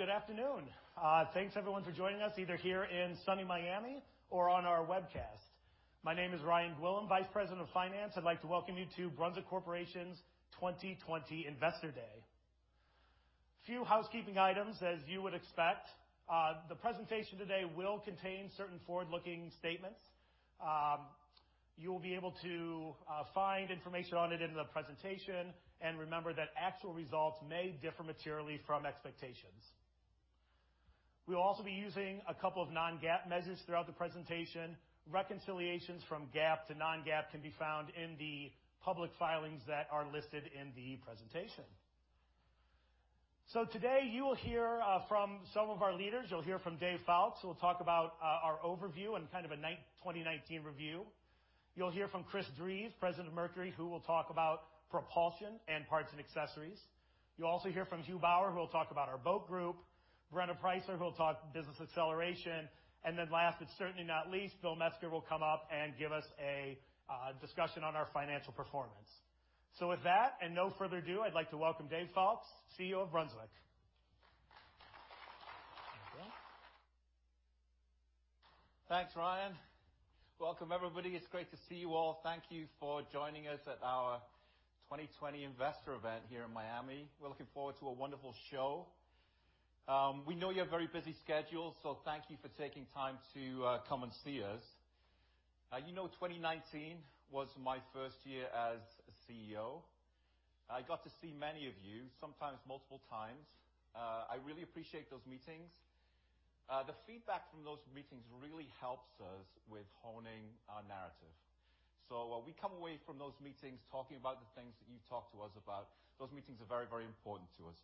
Hi, good afternoon. Thanks everyone for joining us, either here in sunny Miami or on our webcast. My name is Ryan Gwillim, Vice President of Finance. I'd like to welcome you to Brunswick Corporation's 2020 Investor Day. Few housekeeping items, as you would expect. The presentation today will contain certain forward-looking statements. You will be able to find information on it in the presentation, and remember that actual results may differ materially from expectations. We'll also be using a couple of non-GAAP measures throughout the presentation. Reconciliations from GAAP to non-GAAP can be found in the public filings that are listed in the presentation. So today, you will hear from some of our leaders. You'll hear from Dave Foulkes, who will talk about our overview and kind of a 2019 review. You'll hear from Chris Drees, President of Mercury, who will talk about propulsion and parts and accessories. You'll also hear from Huw Bower, who will talk about our Boat Group, Brenna Preisser, who will talk Business Acceleration, and then last, but certainly not least, Bill Metzger will come up and give us a discussion on our financial performance. So with that, and no further ado, I'd like to welcome Dave Foulkes, CEO of Brunswick. Thanks, Ryan. Welcome, everybody. It's great to see you all. Thank you for joining us at our 2020 Investor event here in Miami. We're looking forward to a wonderful show. We know you have very busy schedules, so thank you for taking time to come and see us. You know, 2019 was my first year as CEO. I got to see many of you, sometimes multiple times. I really appreciate those meetings. The feedback from those meetings really helps us with honing our narrative. So we come away from those meetings talking about the things that you've talked to us about. Those meetings are very, very important to us.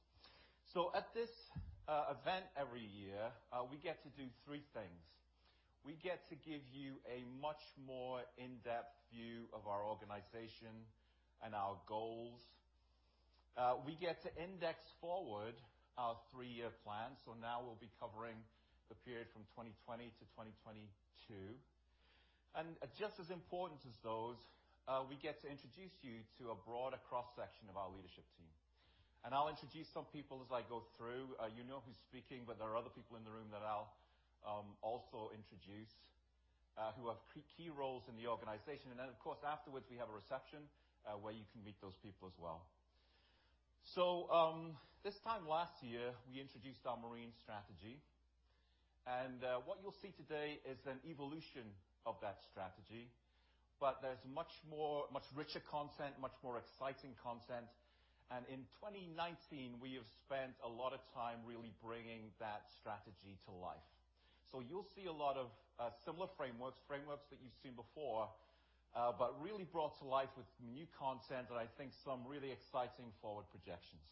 So at this event every year, we get to do three things. We get to give you a much more in-depth view of our organization and our goals. We get to index forward our three-year plan, so now we'll be covering the period from 2020 to 2022. And just as important as those, we get to introduce you to a broader cross-section of our leadership team, and I'll introduce some people as I go through. You know who's speaking, but there are other people in the room that I'll also introduce, who have key, key roles in the organization. And then, of course, afterwards, we have a reception, where you can meet those people as well. So, this time last year, we introduced our marine strategy, and, what you'll see today is an evolution of that strategy, but there's much more, much richer content, much more exciting content. And in 2019, we have spent a lot of time really bringing that strategy to life. So you'll see a lot of similar frameworks, frameworks that you've seen before, but really brought to life with new content and I think some really exciting forward projections.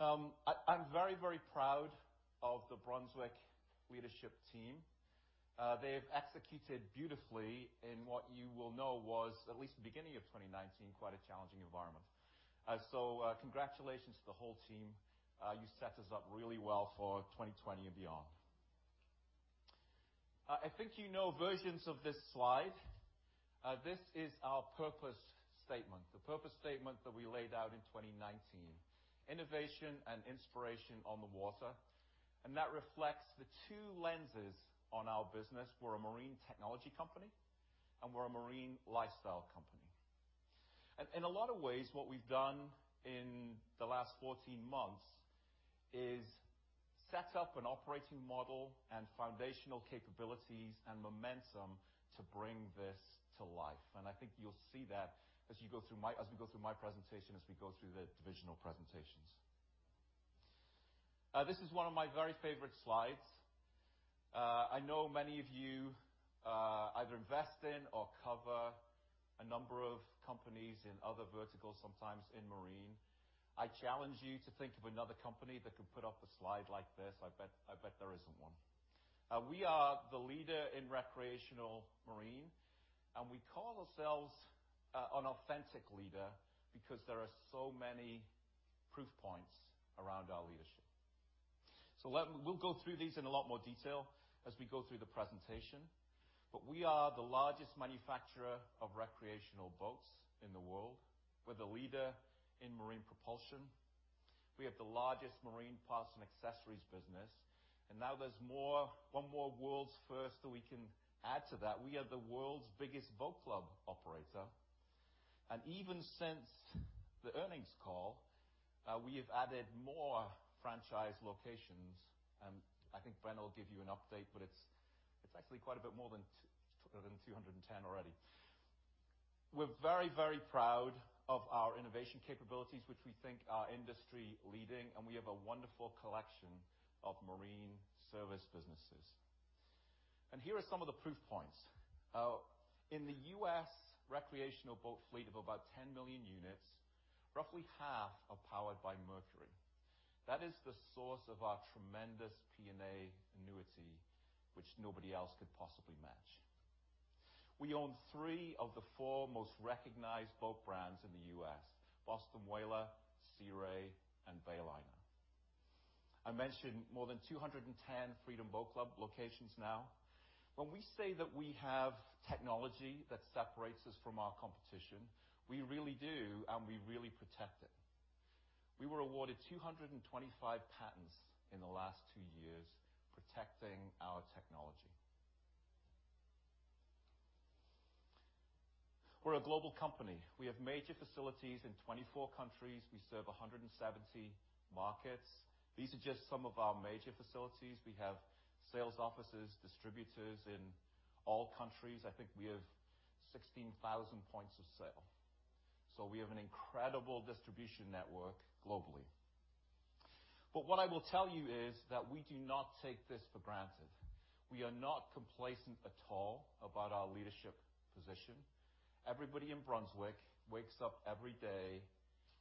I'm very, very proud of the Brunswick leadership team. They've executed beautifully in what you will know was, at least the beginning of 2019, quite a challenging environment. So, congratulations to the whole team. You set us up really well for 2020 and beyond. I think you know versions of this slide. This is our purpose statement, the purpose statement that we laid out in 2019: innovation and inspiration on the water, and that reflects the two lenses on our business. We're a marine technology company, and we're a marine lifestyle company. And in a lot of ways, what we've done in the last 14 months is set up an operating model and foundational capabilities and momentum to bring this to life. And I think you'll see that as we go through my presentation, as we go through the divisional presentations. This is one of my very favorite slides. I know many of you either invest in or cover a number of companies in other verticals, sometimes in marine. I challenge you to think of another company that could put up a slide like this. I bet, I bet there isn't one. We are the leader in recreational marine, and we call ourselves an authentic leader because there are so many proof points around our leadership. So, we'll go through these in a lot more detail as we go through the presentation, but we are the largest manufacturer of recreational boats in the world. We're the leader in marine propulsion. We have the largest marine parts and accessories business, and now there's more, one more world's first that we can add to that. We are the world's biggest boat club operator, and even since the earnings call, we have added more franchise locations, and I think Bren will give you an update, but it's, it's actually quite a bit more than than 210 already. We're very, very proud of our innovation capabilities, which we think are industry-leading, and we have a wonderful collection of marine service businesses. And here are some of the proof points. In the US, recreational boat fleet of about 10 million units, roughly half are powered by Mercury. That is the source of our tremendous P&A annuity, which nobody else could possibly match. We own three of the four most recognized boat brands in the US: Boston Whaler, Sea Ray, and Bayliner. I mentioned more than 210 Freedom Boat Club locations now. When we say that we have technology that separates us from our competition, we really do, and we really protect it. We were awarded 225 patents in the last two years, protecting our technology. We're a global company. We have major facilities in 24 countries. We serve 170 markets. These are just some of our major facilities. We have sales offices, distributors in all countries. I think we have 16,000 points of sale. So we have an incredible distribution network globally. But what I will tell you is that we do not take this for granted. We are not complacent at all about our leadership position. Everybody in Brunswick wakes up every day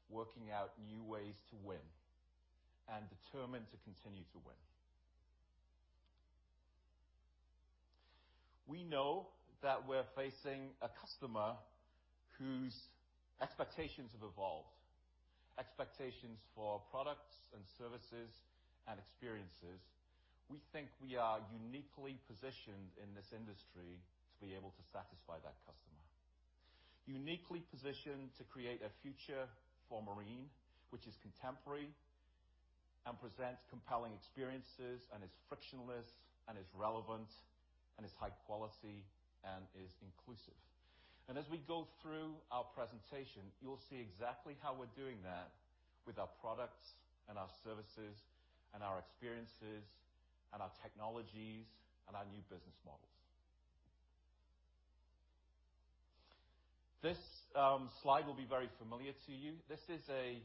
working out new ways to win and determined to continue to win. We know that we're facing a customer whose expectations have evolved, expectations for products and services and experiences. We think we are uniquely positioned in this industry to be able to satisfy that customer. Uniquely positioned to create a future for Marine, which is contemporary and presents compelling experiences, and is frictionless, and is relevant, and is high quality, and is inclusive. And as we go through our presentation, you'll see exactly how we're doing that with our products, and our services, and our experiences, and our technologies, and our new business models. This slide will be very familiar to you. This is a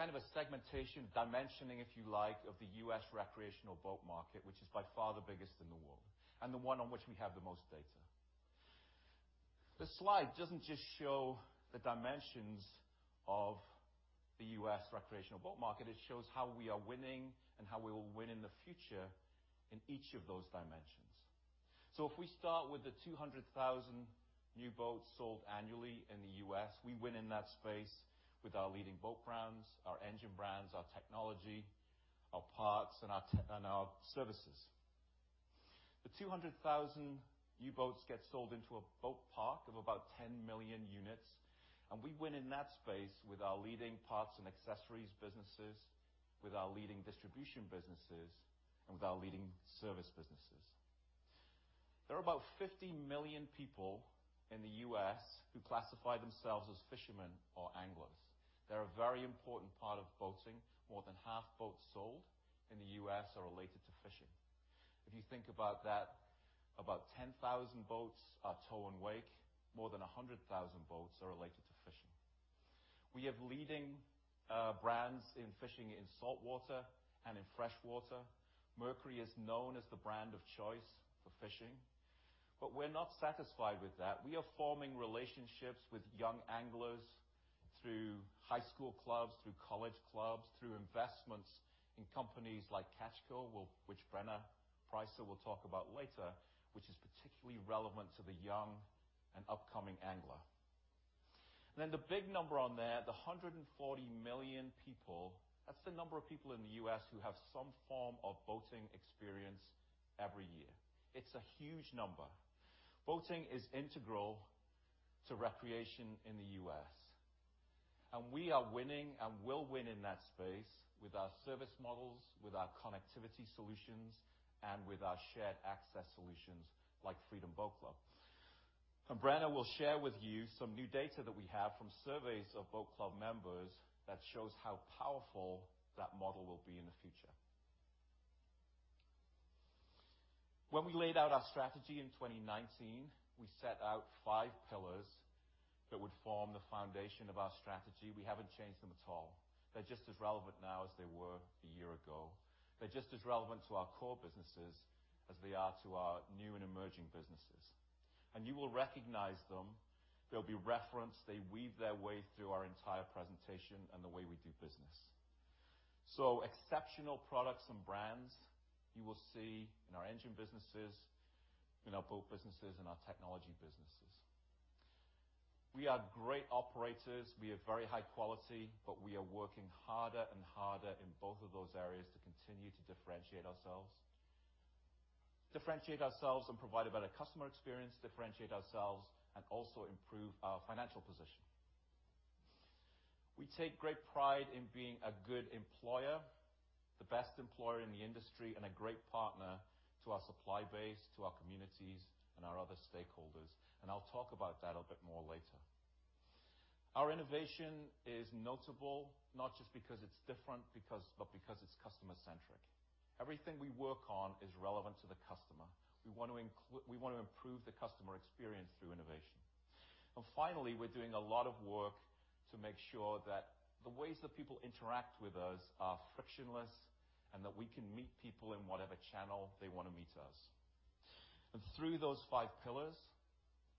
kind of a segmentation, dimensioning, if you like, of the U.S. recreational boat market, which is by far the biggest in the world and the one on which we have the most data. This slide doesn't just show the dimensions of the U.S. recreational boat market, it shows how we are winning and how we will win in the future in each of those dimensions. So if we start with the 200,000 new boats sold annually in the U.S., we win in that space with our leading boat brands, our engine brands, our technology, our parts, and our services. The 200,000 new boats get sold into a boat park of about 10 million units, and we win in that space with our leading parts and accessories businesses, with our leading distribution businesses, and with our leading service businesses. There are about 50 million people in the US who classify themselves as fishermen or anglers. They're a very important part of boating. More than half boats sold in the US are related to fishing. If you think about that, about 10,000 boats are tow and wake. More than a hundred thousand boats are related to fishing. We have leading brands in fishing in saltwater and in freshwater. Mercury is known as the brand of choice for fishing, but we're not satisfied with that. We are forming relationships with young anglers through high school clubs, through college clubs, through investments in companies like Catch Co., which Brenna Preisser will talk about later, which is particularly relevant to the young and upcoming angler. The big number on there, the 140 million people, that's the number of people in the U.S. who have some form of boating experience every year. It's a huge number. Boating is integral to recreation in the U.S., and we are winning and will win in that space with our service models, with our connectivity solutions, and with our shared access solutions like Freedom Boat Club. Brenna will share with you some new data that we have from surveys of Boat Club members that shows how powerful that model will be in the future. When we laid out our strategy in 2019, we set out 5 pillars that would form the foundation of our strategy. We haven't changed them at all. They're just as relevant now as they were a year ago. They're just as relevant to our core businesses as they are to our new and emerging businesses, and you will recognize them. They'll be referenced. They weave their way through our entire presentation and the way we do business. So exceptional products and brands you will see in our engine businesses, in our boat businesses, and our technology businesses. We are great operators. We are very high quality, but we are working harder and harder in both of those areas to continue to differentiate ourselves. Differentiate ourselves and provide a better customer experience, differentiate ourselves, and also improve our financial position. We take great pride in being a good employer, the best employer in the industry, and a great partner to our supply base, to our communities, and our other stakeholders, and I'll talk about that a bit more later. Our innovation is notable, not just because it's different, but because it's customer-centric. Everything we work on is relevant to the customer. We want to improve the customer experience through innovation. And finally, we're doing a lot of work to make sure that the ways that people interact with us are frictionless and that we can meet people in whatever channel they want to meet us. And through those five pillars,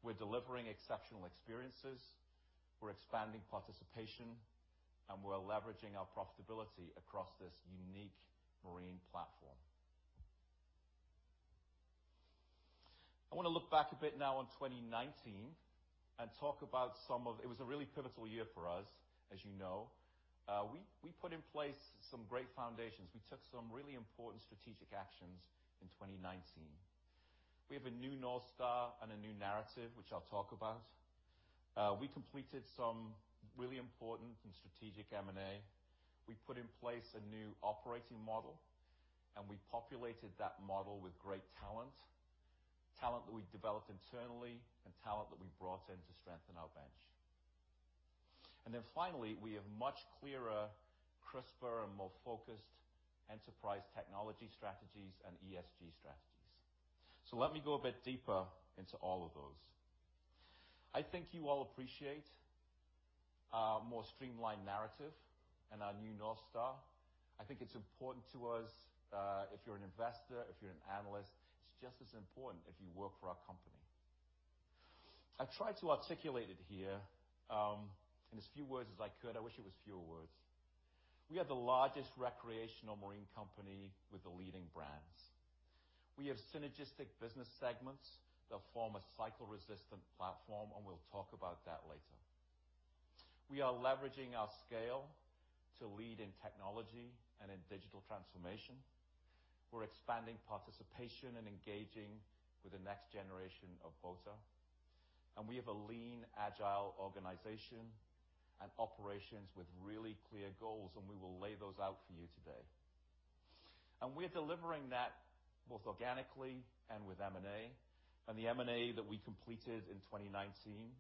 we're delivering exceptional experiences, we're expanding participation, and we're leveraging our profitability across this unique marine platform. I want to look back a bit now on 2019.... and talk about some of it. It was a really pivotal year for us, as you know. We put in place some great foundations. We took some really important strategic actions in 2019. We have a new North Star and a new narrative, which I'll talk about. We completed some really important and strategic M&A. We put in place a new operating model, and we populated that model with great talent, talent that we developed internally and talent that we brought in to strengthen our bench. And then finally, we have much clearer, crisper, and more focused enterprise technology strategies and ESG strategies. So let me go a bit deeper into all of those. I think you all appreciate our more streamlined narrative and our new North Star. I think it's important to us, if you're an investor, if you're an analyst, it's just as important if you work for our company. I tried to articulate it here, in as few words as I could. I wish it was fewer words. We are the largest recreational marine company with the leading brands. We have synergistic business segments that form a cycle-resistant platform, and we'll talk about that later. We are leveraging our scale to lead in technology and in digital transformation. We're expanding participation and engaging with the next generation of boater. And we have a lean, agile organization and operations with really clear goals, and we will lay those out for you today. And we are delivering that both organically and with M&A. The M&A that we completed in 2019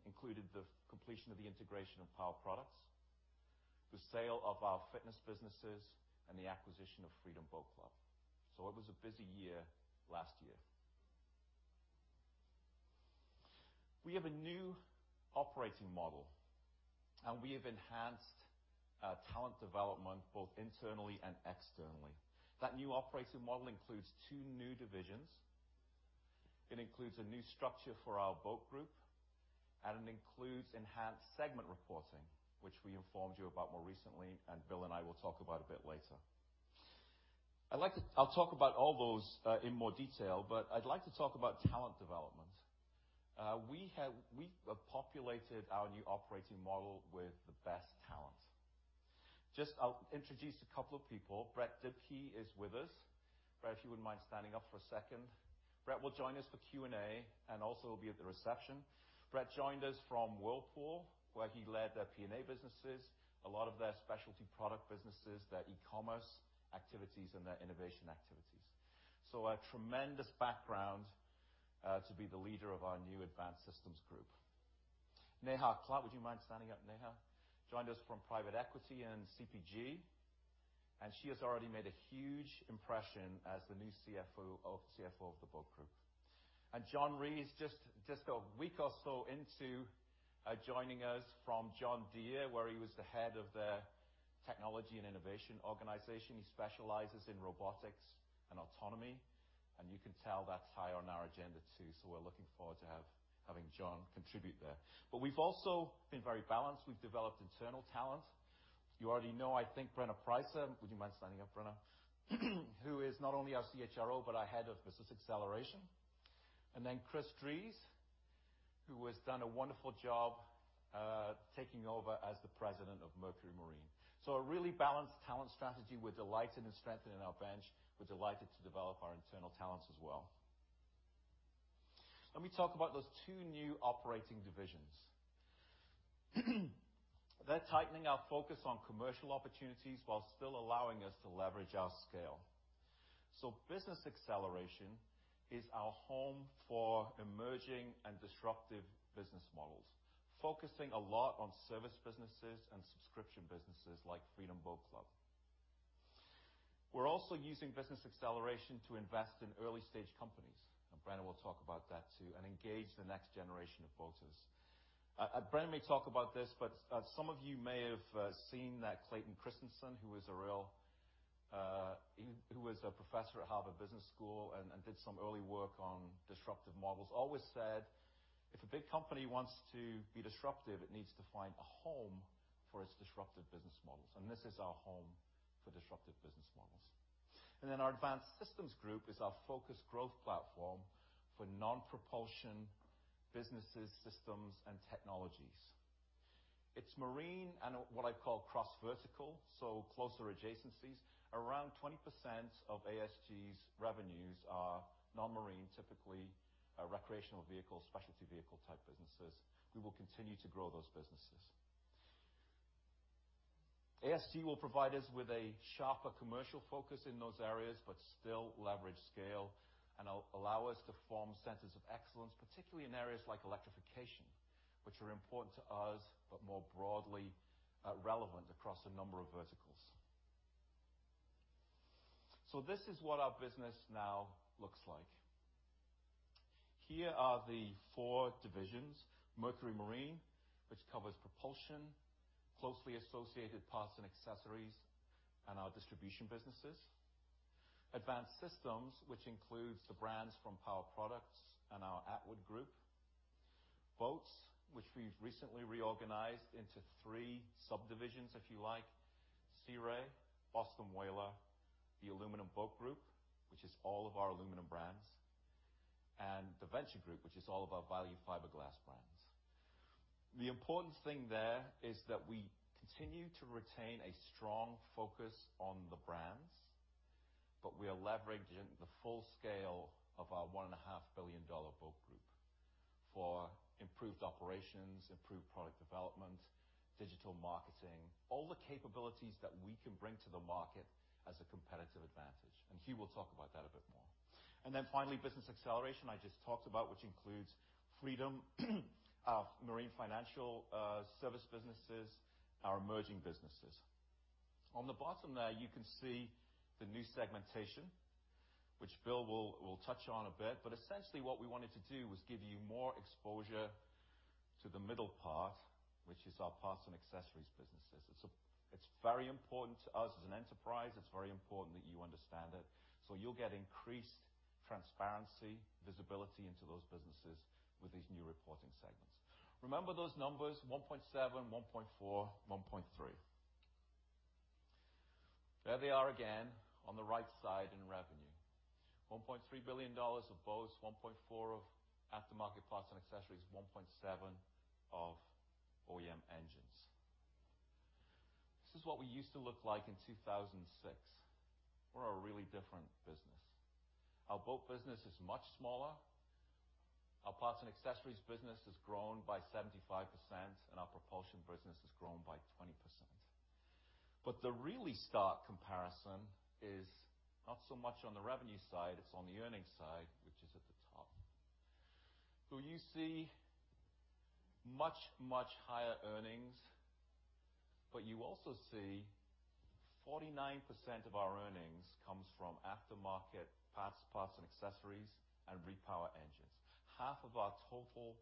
included the completion of the integration of Power Products, the sale of our fitness businesses, and the acquisition of Freedom Boat Club. So it was a busy year last year. We have a new operating model, and we have enhanced talent development, both internally and externally. That new operating model includes two new divisions. It includes a new structure for our Boat Group, and it includes enhanced segment reporting, which we informed you about more recently, and Bill and I will talk about a bit later. I'd like to. I'll talk about all those in more detail, but I'd like to talk about talent development. We have populated our new operating model with the best talent. Just... I'll introduce a couple of people. Brett Dibkey is with us. Brett, if you wouldn't mind standing up for a second. Brett will join us for Q&A and also will be at the reception. Brett joined us from Whirlpool, where he led their P&A businesses, a lot of their specialty product businesses, their e-commerce activities, and their innovation activities. So a tremendous background to be the leader of our new Advanced Systems Group. Neha Clark, would you mind standing up, Neha? Joined us from private equity and CPG, and she has already made a huge impression as the new CFO of, CFO of the Boat Group. John Reid, just a week or so into joining us from John Deere, where he was the head of their technology and innovation organization. He specializes in robotics and autonomy, and you can tell that's high on our agenda, too, so we're looking forward to having John contribute there. But we've also been very balanced. We've developed internal talent. You already know, I think, Brenna Preisser, would you mind standing up, Brenna? Who is not only our CHRO, but our Head of Business Acceleration. And then Chris Drees, who has done a wonderful job, taking over as the President of Mercury Marine. So a really balanced talent strategy. We're delighted to strengthen in our bench. We're delighted to develop our internal talents as well. Let me talk about those two new operating divisions. They're tightening our focus on commercial opportunities while still allowing us to leverage our scale. So Business Acceleration is our home for emerging and disruptive business models, focusing a lot on service businesses and subscription businesses like Freedom Boat Club. We're also using Business Acceleration to invest in early-stage companies, and Brenna will talk about that, too, and engage the next generation of boaters. And Brenna may talk about this, but some of you may have seen that Clayton Christensen, who was a professor at Harvard Business School and did some early work on disruptive models, always said, "If a big company wants to be disruptive, it needs to find a home for its disruptive business models." And this is our home for disruptive business models. And then our Advanced Systems Group is our focused growth platform for non-propulsion businesses, systems, and technologies. It's marine and, what I call, cross-vertical, so closer adjacencies. Around 20% of ASG's revenues are non-marine, typically, recreational vehicle, specialty vehicle-type businesses. We will continue to grow those businesses. ASG will provide us with a sharper commercial focus in those areas, but still leverage scale and allow us to form centers of excellence, particularly in areas like electrification, which are important to us, but more broadly, relevant across a number of verticals. So this is what our business now looks like. Here are the four divisions: Mercury Marine, which covers propulsion, closely associated parts and accessories, and our distribution businesses. Advanced Systems, which includes the brands from Power Products and our Attwood Group. Boats, which we've recently reorganized into three subdivisions, if you like.... Sea Ray, Boston Whaler, the Aluminum Boat Group, which is all of our aluminum brands, and the Venture Group, which is all of our value fiberglass brands. The important thing there is that we continue to retain a strong focus on the brands, but we are leveraging the full scale of our $1.5 billion boat group for improved operations, improved product development, digital marketing, all the capabilities that we can bring to the market as a competitive advantage. And Huw will talk about that a bit more. And then finally, business acceleration I just talked about, which includes Freedom, our marine financial, service businesses, our emerging businesses. On the bottom there, you can see the new segmentation, which Bill will touch on a bit. But essentially, what we wanted to do was give you more exposure to the middle part, which is our parts and accessories businesses. It's very important to us as an enterprise. It's very important that you understand it, so you'll get increased transparency, visibility into those businesses with these new reporting segments. Remember those numbers, 1.7, 1.4, 1.3. There they are again on the right side in revenue. $1.3 billion of boats, 1.4 of aftermarket parts and accessories, 1.7 of OEM engines. This is what we used to look like in 2006. We're a really different business. Our boat business is much smaller. Our parts and accessories business has grown by 75%, and our propulsion business has grown by 20%. But the really stark comparison is not so much on the revenue side, it's on the earnings side, which is at the top. So you see much, much higher earnings, but you also see 49% of our earnings comes from aftermarket parts, parts and accessories, and repower engines. Half of our total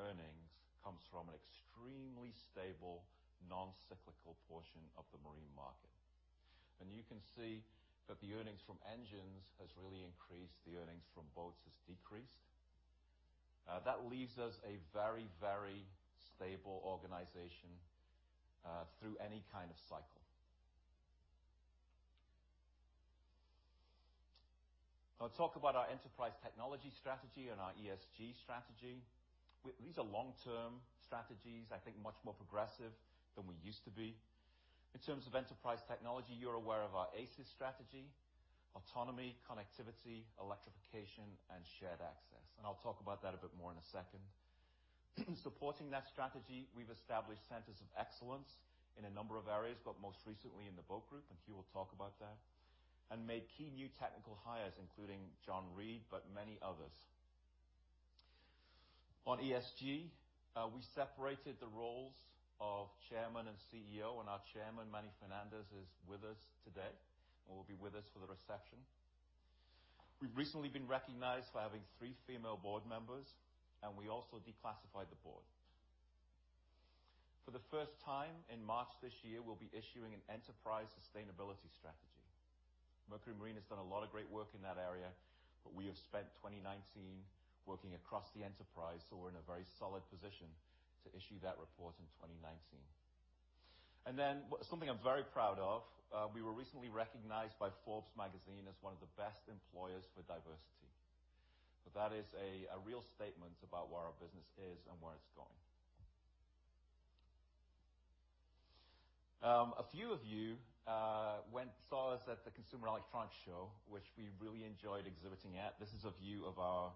earnings comes from an extremely stable, non-cyclical portion of the marine market. And you can see that the earnings from engines has really increased, the earnings from boats has decreased. That leaves us a very, very stable organization through any kind of cycle. I'll talk about our enterprise technology strategy and our ESG strategy. These are long-term strategies, I think, much more progressive than we used to be. In terms of enterprise technology, you're aware of our ACES strategy: autonomy, connectivity, electrification, and shared access, and I'll talk about that a bit more in a second. Supporting that strategy, we've established centers of excellence in a number of areas, but most recently in the Boat Group, and Huw will talk about that. And made key new technical hires, including John Reid, but many others. On ESG, we separated the roles of chairman and CEO, and our chairman, Manny Fernandez, is with us today and will be with us for the reception. We've recently been recognized for having three female board members, and we also declassified the board. For the first time, in March this year, we'll be issuing an enterprise sustainability strategy. Mercury Marine has done a lot of great work in that area, but we have spent 2019 working across the enterprise, so we're in a very solid position to issue that report in 2019. Something I'm very proud of, we were recently recognized by Forbes Magazine as one of the best employers for diversity. But that is a real statement about where our business is and where it's going. A few of you saw us at the Consumer Electronics Show, which we really enjoyed exhibiting at. This is a view of our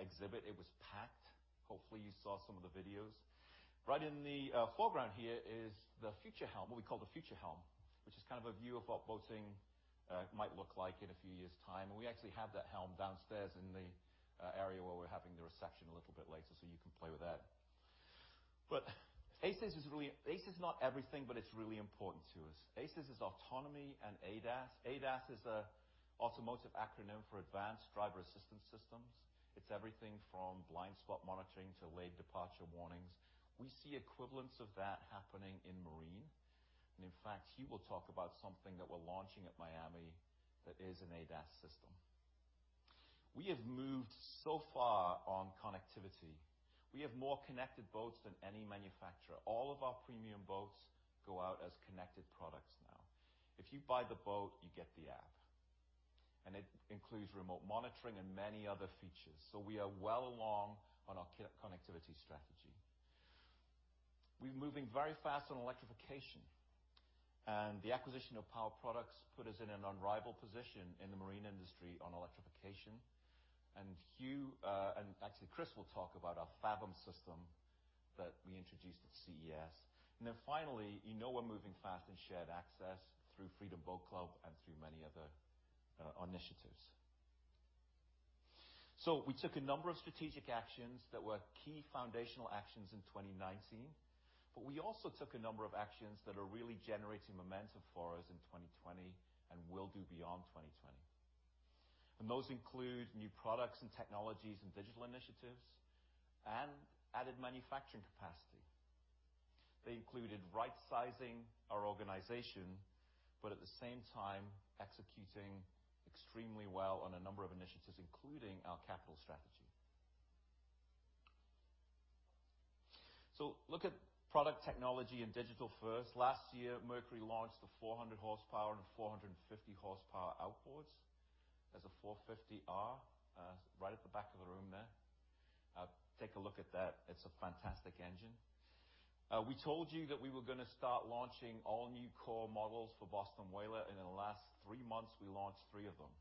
exhibit. It was packed. Hopefully, you saw some of the videos. Right in the foreground here is the Future Helm, what we call the Future Helm, which is kind of a view of what boating might look like in a few years' time. And we actually have that helm downstairs in the area where we're having the reception a little bit later, so you can play with that. But ACES is really... ACES is not everything, but it's really important to us. ACES is autonomy and ADAS. ADAS is an automotive acronym for Advanced Driver Assistance Systems. It's everything from blind spot monitoring to lane departure warnings. We see equivalents of that happening in marine, and in fact, Huw will talk about something that we're launching at Miami that is an ADAS system. We have moved so far on connectivity. We have more connected boats than any manufacturer. All of our premium boats go out as connected products now. If you buy the boat, you get the app, and it includes remote monitoring and many other features. So we are well along on our connectivity strategy. We're moving very fast on electrification, and the acquisition of Power Products put us in an unrivaled position in the marine industry on electrification. Huw, and actually Chris, will talk about our Fathom system that we introduced at CES. And then finally, you know we're moving fast in shared access through Freedom Boat Club and through many other initiatives. So we took a number of strategic actions that were key foundational actions in 2019, but we also took a number of actions that are really generating momentum for us in 2020 and will do beyond 2020. And those include new products and technologies and digital initiatives and added manufacturing capacity. They included right-sizing our organization, but at the same time, executing extremely well on a number of initiatives, including our capital strategy. So look at product technology and digital first. Last year, Mercury launched the 400-horsepower and 450-horsepower outboards. There's a 450R right at the back of the room there. Take a look at that. It's a fantastic engine. We told you that we were gonna start launching all new core models for Boston Whaler, and in the last three months, we launched three of them: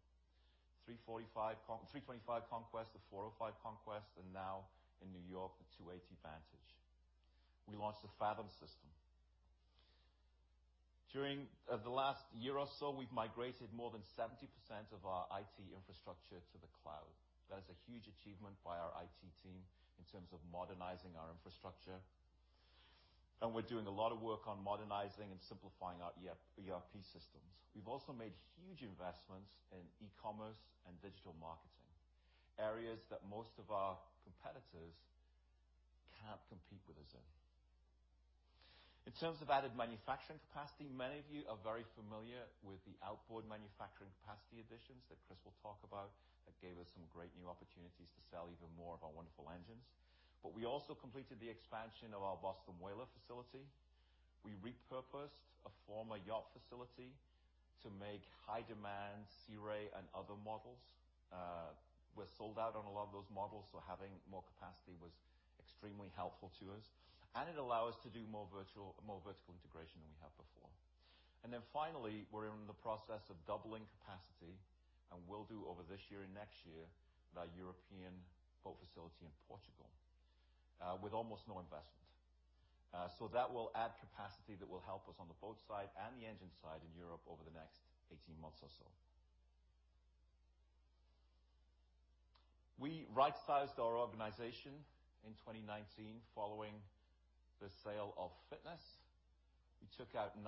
325 Conquest, the 405 Conquest, and now in New York, the 280 Vantage. We launched the Fathom system. During the last year or so, we've migrated more than 70% of our IT infrastructure to the cloud. That is a huge achievement by our IT team in terms of modernizing our infrastructure, and we're doing a lot of work on modernizing and simplifying our ERP systems. We've also made huge investments in e-commerce and digital marketing, areas that most of our competitors can't compete with us in. In terms of added manufacturing capacity, many of you are very familiar with the outboard manufacturing capacity additions that Chris will talk about. That gave us some great new opportunities to sell even more of our wonderful engines. But we also completed the expansion of our Boston Whaler facility. We repurposed a former yacht facility to make high-demand Sea Ray and other models. We're sold out on a lot of those models, so having more capacity was extremely helpful to us, and it allowed us to do more vertical integration than we had before. And then finally, we're in the process of doubling capacity, and will do over this year and next year, our European boat facility in Portugal, with almost no investment. So that will add capacity that will help us on the boat side and the engine side in Europe over the next 18 months or so. We right-sized our organization in 2019 following the sale of Fitness. We took out 9%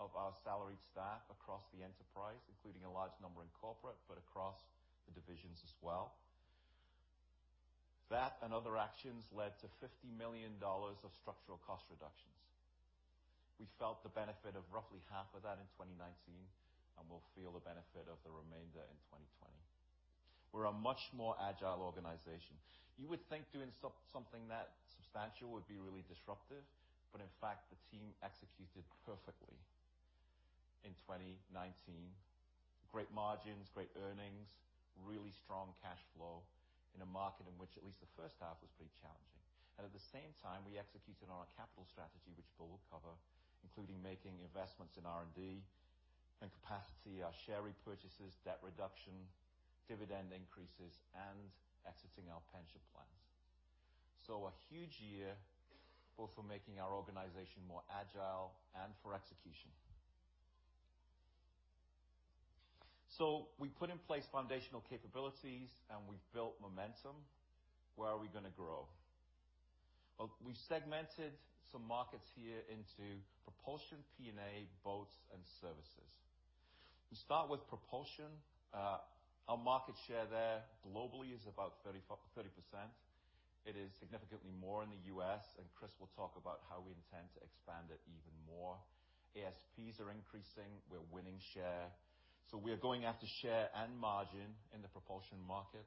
of our salaried staff across the enterprise, including a large number in corporate, but across the divisions as well. That and other actions led to $50 million of structural cost reductions. We felt the benefit of roughly half of that in 2019, and we'll feel the benefit of the remainder in 2020. We're a much more agile organization. You would think doing something that substantial would be really disruptive, but in fact, the team executed perfectly in 2019. Great margins, great earnings, really strong cash flow in a market in which at least the first half was pretty challenging. At the same time, we executed on our capital strategy, which Bill will cover, including making investments in R&D and capacity, our share repurchases, debt reduction, dividend increases, and exiting our pension plans. A huge year both for making our organization more agile and for execution. We put in place foundational capabilities, and we've built momentum. Where are we gonna grow? Well, we've segmented some markets here into propulsion, P&A, boats, and services. We start with propulsion. Our market share there globally is about 30%. It is significantly more in the U.S., and Chris will talk about how we intend to expand it even more. ASPs are increasing. We're winning share, so we are going after share and margin in the propulsion market.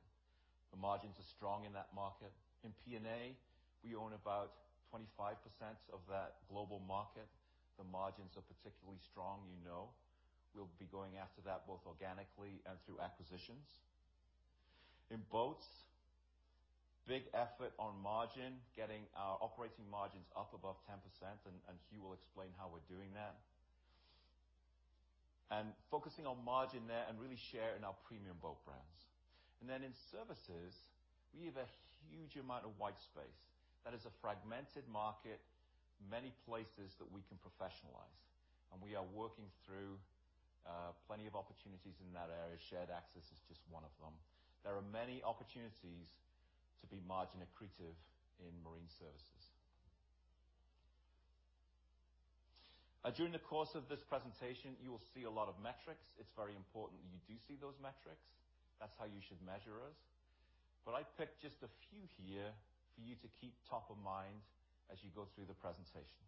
The margins are strong in that market. In P&A, we own about 25% of that global market. The margins are particularly strong, you know. We'll be going after that, both organically and through acquisitions. In boats, big effort on margin, getting our operating margins up above 10%, and Huw will explain how we're doing that. And focusing on margin there and really share in our premium boat brands. And then in services, we have a huge amount of white space. That is a fragmented market, many places that we can professionalize, and we are working through plenty of opportunities in that area. Shared access is just one of them. There are many opportunities to be margin accretive in marine services. During the course of this presentation, you will see a lot of metrics. It's very important that you do see those metrics. That's how you should measure us. But I picked just a few here for you to keep top of mind as you go through the presentation.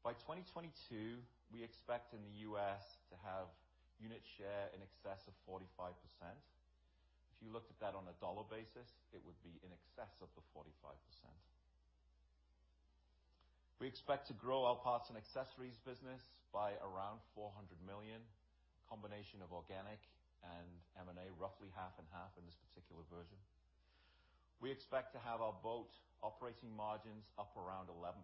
By 2022, we expect in the U.S. to have unit share in excess of 45%. If you looked at that on a dollar basis, it would be in excess of the 45%. We expect to grow our parts and accessories business by around $400 million, combination of organic and M&A, roughly half and half in this particular version. We expect to have our boat operating margins up around 11%.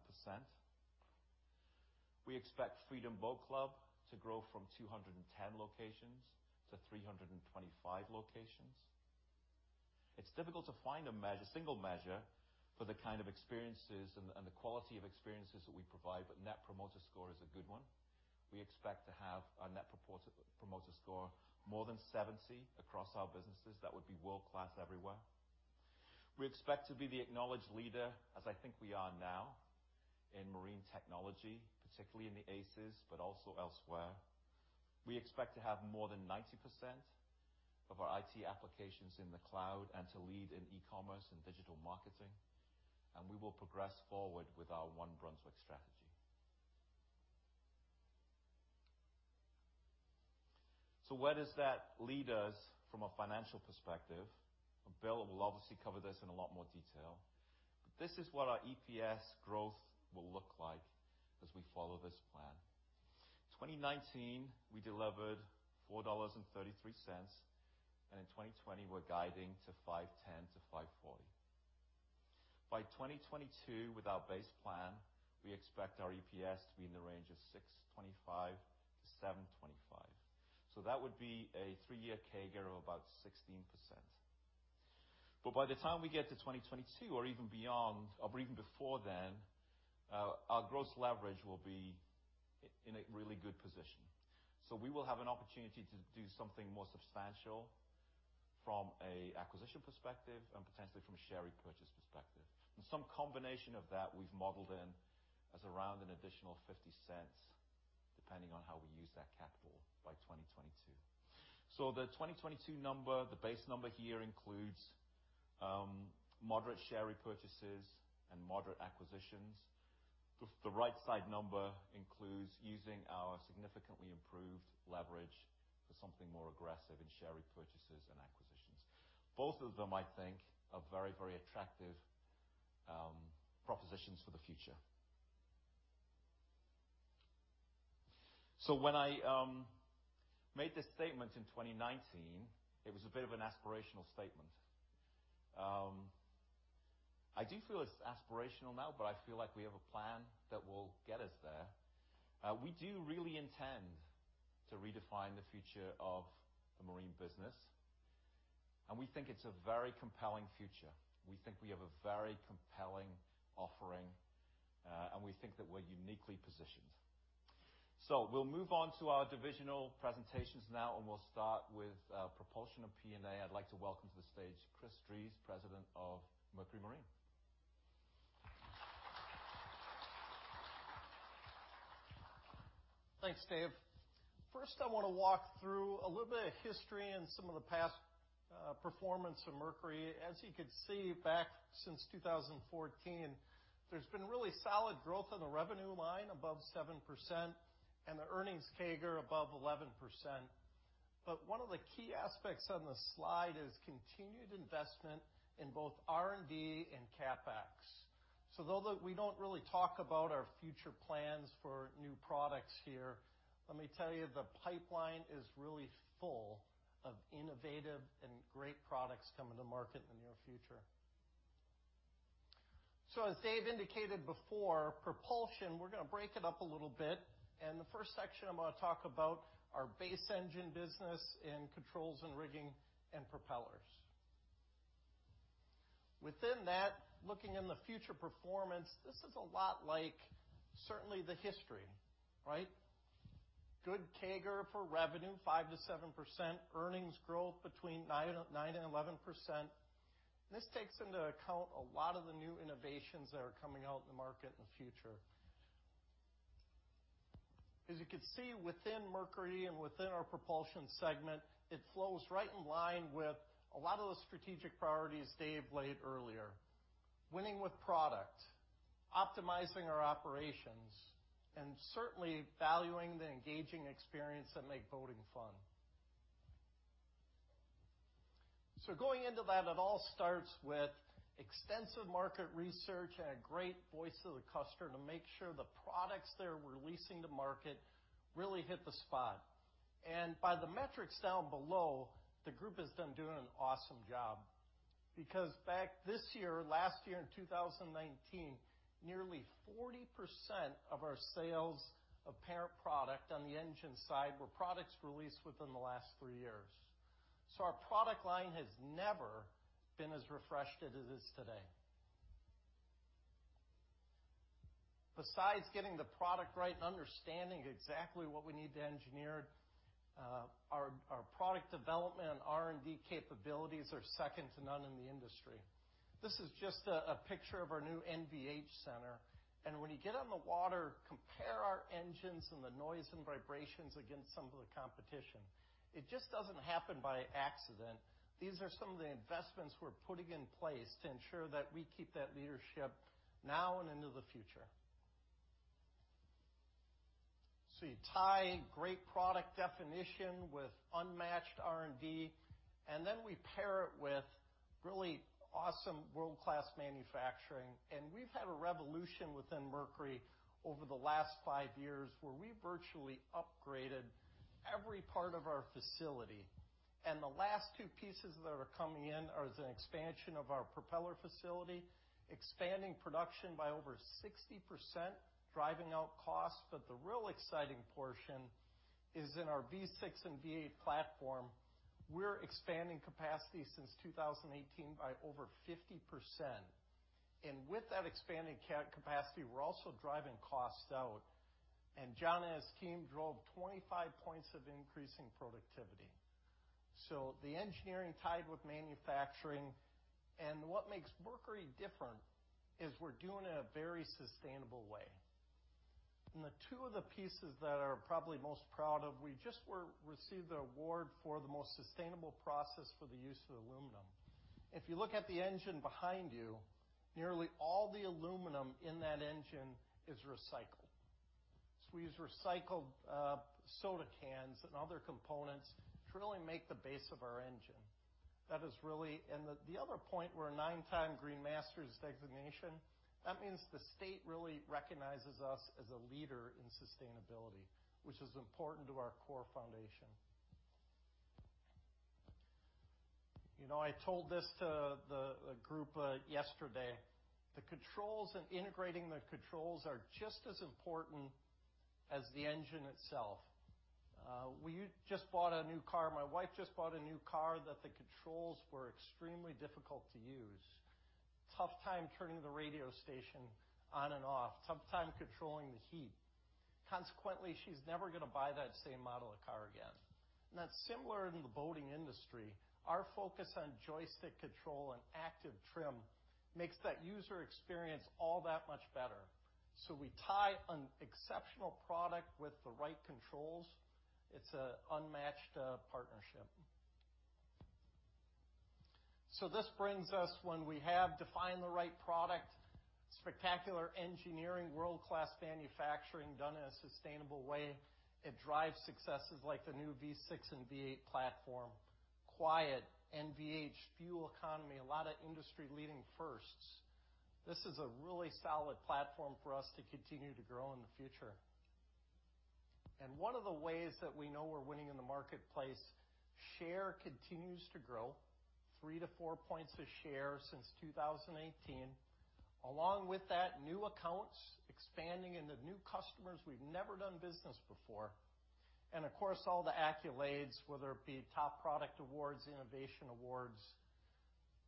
We expect Freedom Boat Club to grow from 210 locations to 325 locations. It's difficult to find a measure, single measure for the kind of experiences and the quality of experiences that we provide, but Net Promoter Score is a good one. We expect to have our Net Promoter Score more than 70 across our businesses. That would be world-class everywhere. We expect to be the acknowledged leader, as I think we are now, in marine technology, particularly in the ACES, but also elsewhere. We expect to have more than 90% of our IT applications in the cloud and to lead in e-commerce and digital marketing, and we will progress forward with our One Brunswick strategy. So where does that lead us from a financial perspective? Bill will obviously cover this in a lot more detail, but this is what our EPS growth will look like as we follow this plan. 2019, we delivered $4.33, and in 2020, we're guiding to $5.10-$5.40. By 2022, with our base plan, we expect our EPS to be in the range of $6.25-$7.25. So that would be a three-year CAGR of about 16%. But by the time we get to 2022 or even beyond or even before then, our gross leverage will be in a really good position. So we will have an opportunity to do something more substantial from a acquisition perspective and potentially from a share repurchase perspective. And some combination of that we've modeled in as around an additional $0.50, depending on how we use that capital by 2022. So the 2022 number, the base number here includes, moderate share repurchases and moderate acquisitions. The, the right side number includes using our significantly improved leverage for something more aggressive in share repurchases and acquisitions. Both of them, I think, are very, very attractive, propositions for the future. So when I, made this statement in 2019, it was a bit of an aspirational statement. I do feel it's aspirational now, but I feel like we have a plan that will get us there. We do really intend to redefine the future of the marine business, and we think it's a very compelling future. We think we have a very compelling offering, and we think that we're uniquely positioned. So we'll move on to our divisional presentations now, and we'll start with, propulsion and P&A. I'd like to welcome to the stage Chris Drees, President of Mercury Marine. Thanks, Dave. First, I want to walk through a little bit of history and some of the past performance of Mercury. As you can see, back since 2014, there's been really solid growth on the revenue line, above 7%, and the earnings CAGR above 11%. But one of the key aspects on the slide is continued investment in both R&D and CapEx. So though we don't really talk about our future plans for new products here, let me tell you, the pipeline is really full of innovative and great products coming to market in the near future. So as Dave indicated before, propulsion, we're gonna break it up a little bit, and the first section, I'm gonna talk about our base engine business in controls and rigging and propellers. Within that, looking in the future performance, this is a lot like certainly the history, right? Good CAGR for revenue, 5%-7%. Earnings growth between 9% and 11%. This takes into account a lot of the new innovations that are coming out in the market in the future. As you can see, within Mercury and within our propulsion segment, it flows right in line with a lot of those strategic priorities Dave laid earlier: winning with product, optimizing our operations, and certainly valuing the engaging experience that make boating fun. So going into that, it all starts with extensive market research and a great voice of the customer to make sure the products they're releasing to market really hit the spot. By the metrics down below, the group has been doing an awesome job because back this year, last year, in 2019, nearly 40% of our sales of parent product on the engine side were products released within the last three years. So our product line has never been as refreshed as it is today. Besides getting the product right and understanding exactly what we need to engineer, our product development and R&D capabilities are second to none in the industry. This is just a picture of our new NVH center, and when you get on the water, compare our engines and the noise and vibrations against some of the competition. It just doesn't happen by accident. These are some of the investments we're putting in place to ensure that we keep that leadership now and into the future. So you tie great product definition with unmatched R&D, and then we pair it with really awesome world-class manufacturing. And we've had a revolution within Mercury over the last 5 years, where we virtually upgraded every part of our facility. And the last two pieces that are coming in are the expansion of our propeller facility, expanding production by over 60%, driving out costs. But the real exciting portion is in our V6 and V8 platform. We're expanding capacity since 2018 by over 50%, and with that expanding capacity, we're also driving costs out, and John and his team drove 25 points of increasing productivity. So the engineering tied with manufacturing, and what makes Mercury different is we're doing it in a very sustainable way. The two of the pieces that are probably most proud of, we just received the award for the most sustainable process for the use of aluminum. If you look at the engine behind you, nearly all the aluminum in that engine is recycled. So we use recycled soda cans and other components to really make the base of our engine. That is really and the other point, we're a nine-time Green Masters designation. That means the state really recognizes us as a leader in sustainability, which is important to our core foundation. You know, I told this to the group yesterday, the controls and integrating the controls are just as important as the engine itself. We just bought a new car. My wife just bought a new car that the controls were extremely difficult to use. Tough time turning the radio station on and off, tough time controlling the heat. Consequently, she's never gonna buy that same model of car again. That's similar in the boating industry. Our focus on joystick control and Active Trim makes that user experience all that much better. We tie an exceptional product with the right controls. It's an unmatched partnership. This brings us, when we have defined the right product, spectacular engineering, world-class manufacturing, done in a sustainable way, [to] it drives successes like the new V6 and V8 platform, quiet NVH, fuel economy, a lot of industry-leading firsts. This is a really solid platform for us to continue to grow in the future. One of the ways that we know we're winning in the marketplace, share continues to grow 3-4 points of share since 2018. Along with that, new accounts, expanding into new customers we've never done business before, and of course, all the accolades, whether it be top product awards, innovation awards.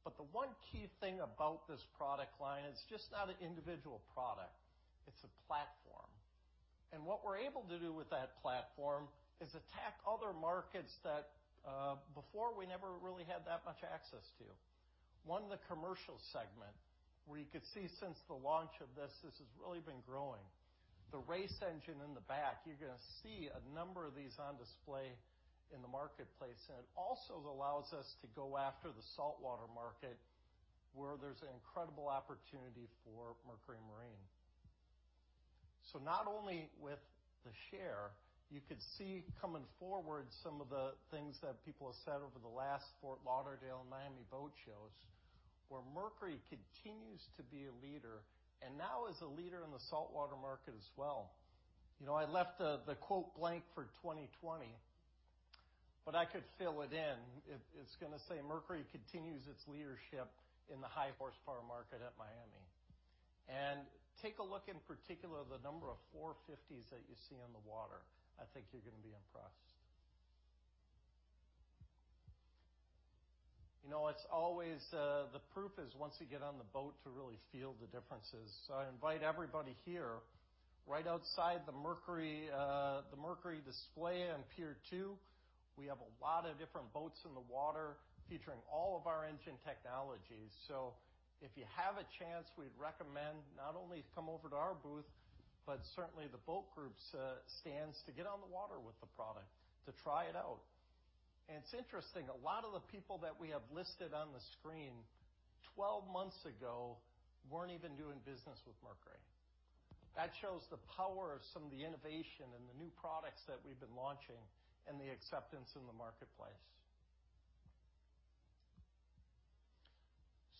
But the one key thing about this product line, it's just not an individual product, it's a platform. And what we're able to do with that platform is attack other markets that, before we never really had that much access to. One, the commercial segment, where you could see since the launch of this, this has really been growing. The race engine in the back, you're gonna see a number of these on display in the marketplace, and it also allows us to go after the saltwater market, where there's an incredible opportunity for Mercury Marine. So not only with the share, you could see coming forward some of the things that people have said over the last Fort Lauderdale and Miami Boat Shows, where Mercury continues to be a leader, and now is a leader in the saltwater market as well. You know, I left the quote blank for 2020, but I could fill it in. It’s gonna say, “Mercury continues its leadership in the high horsepower market at Miami.” And take a look, in particular, the number of 450s that you see on the water. I think you’re gonna be impressed. You know, it’s always the proof is once you get on the boat to really feel the differences. So I invite everybody here, right outside the Mercury, the Mercury display on Pier 2, we have a lot of different boats in the water featuring all of our engine technologies. So if you have a chance, we'd recommend not only to come over to our booth, but certainly the boat group's stands to get on the water with the product to try it out. And it's interesting, a lot of the people that we have listed on the screen, 12 months ago, weren't even doing business with Mercury. That shows the power of some of the innovation and the new products that we've been launching and the acceptance in the marketplace.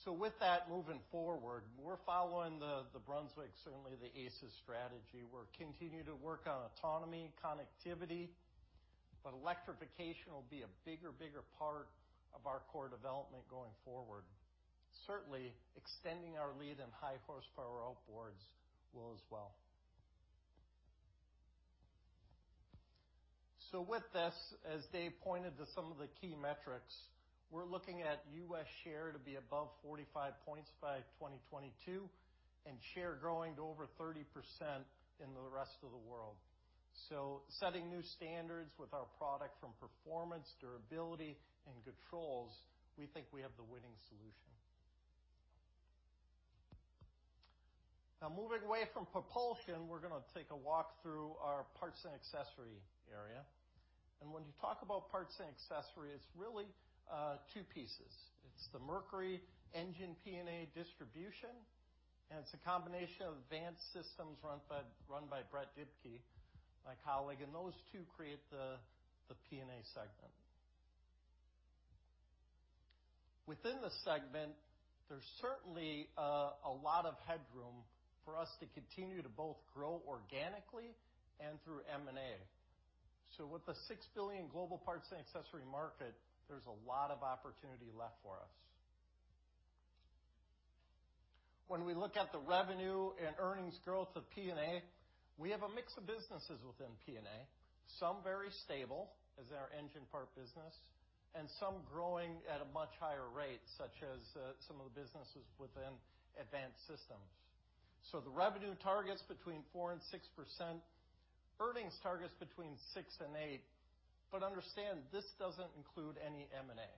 So with that, moving forward, we're following the, the Brunswick, certainly the ACES strategy. We're continue to work on autonomy, connectivity, but electrification will be a bigger, bigger part of our core development going forward. Certainly, extending our lead in high horsepower outboards will as well. So with this, as Dave pointed to some of the key metrics, we're looking at U.S. share to be above 45 points by 2022, and share growing to over 30% in the rest of the world. So setting new standards with our product from performance, durability, and controls, we think we have the winning solution. Now, moving away from propulsion, we're gonna take a walk through our parts and accessory area. And when you talk about parts and accessory, it's really two pieces. It's the Mercury engine P&A distribution, and it's a combination of advanced systems run by Brett Dibkey, my colleague, and those two create the P&A segment. Within the segment, there's certainly a lot of headroom for us to continue to both grow organically and through M&A. So with the $6 billion global parts and accessory market, there's a lot of opportunity left for us. When we look at the revenue and earnings growth of P&A, we have a mix of businesses within P&A, some very stable as our engine part business, and some growing at a much higher rate, such as, some of the businesses within advanced systems. So the revenue target's between 4% and 6%, earnings target's between 6% and 8%, but understand, this doesn't include any M&A.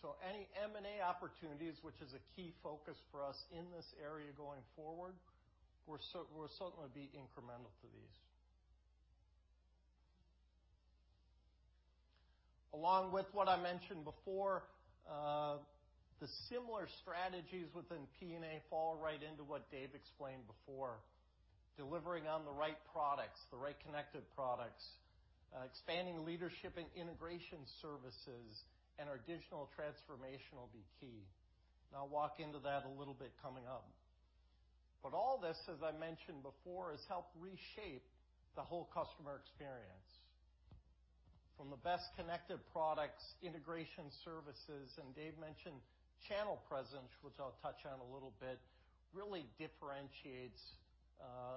So any M&A opportunities, which is a key focus for us in this area going forward, will certainly be incremental to these. Along with what I mentioned before, the similar strategies within P&A fall right into what Dave explained before, delivering on the right products, the right connected products, expanding leadership and integration services, and our digital transformation will be key. And I'll walk into that a little bit coming up. But all this, as I mentioned before, has helped reshape the whole customer experience. From the best connected products, integration services, and Dave mentioned channel presence, which I'll touch on a little bit, really differentiates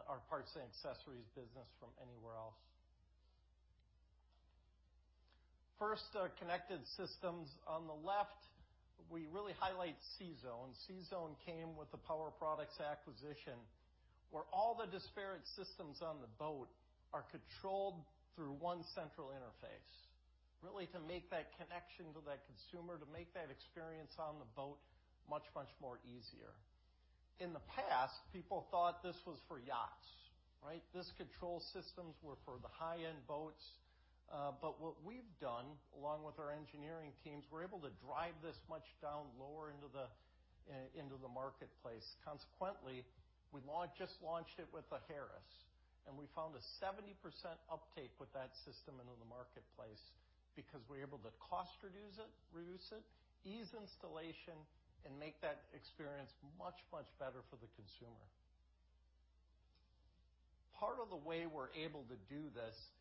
our parts and accessories business from anywhere else. First, our connected systems. On the left, we really highlight CZone. CZone came with the Power Products acquisition, where all the disparate systems on the boat are controlled through one central interface, really, to make that connection to that consumer, to make that experience on the boat much, much more easier. In the past, people thought this was for yachts, right? This control systems were for the high-end boats. But what we've done, along with our engineering teams, we're able to drive this much down lower into the, into the marketplace. Consequently, we just launched it with a Harris, and we found a 70% uptake with that system into the marketplace because we're able to cost reduce it, reduce it, ease installation, and make that experience much, much better for the consumer. Part of the way we're able to do this is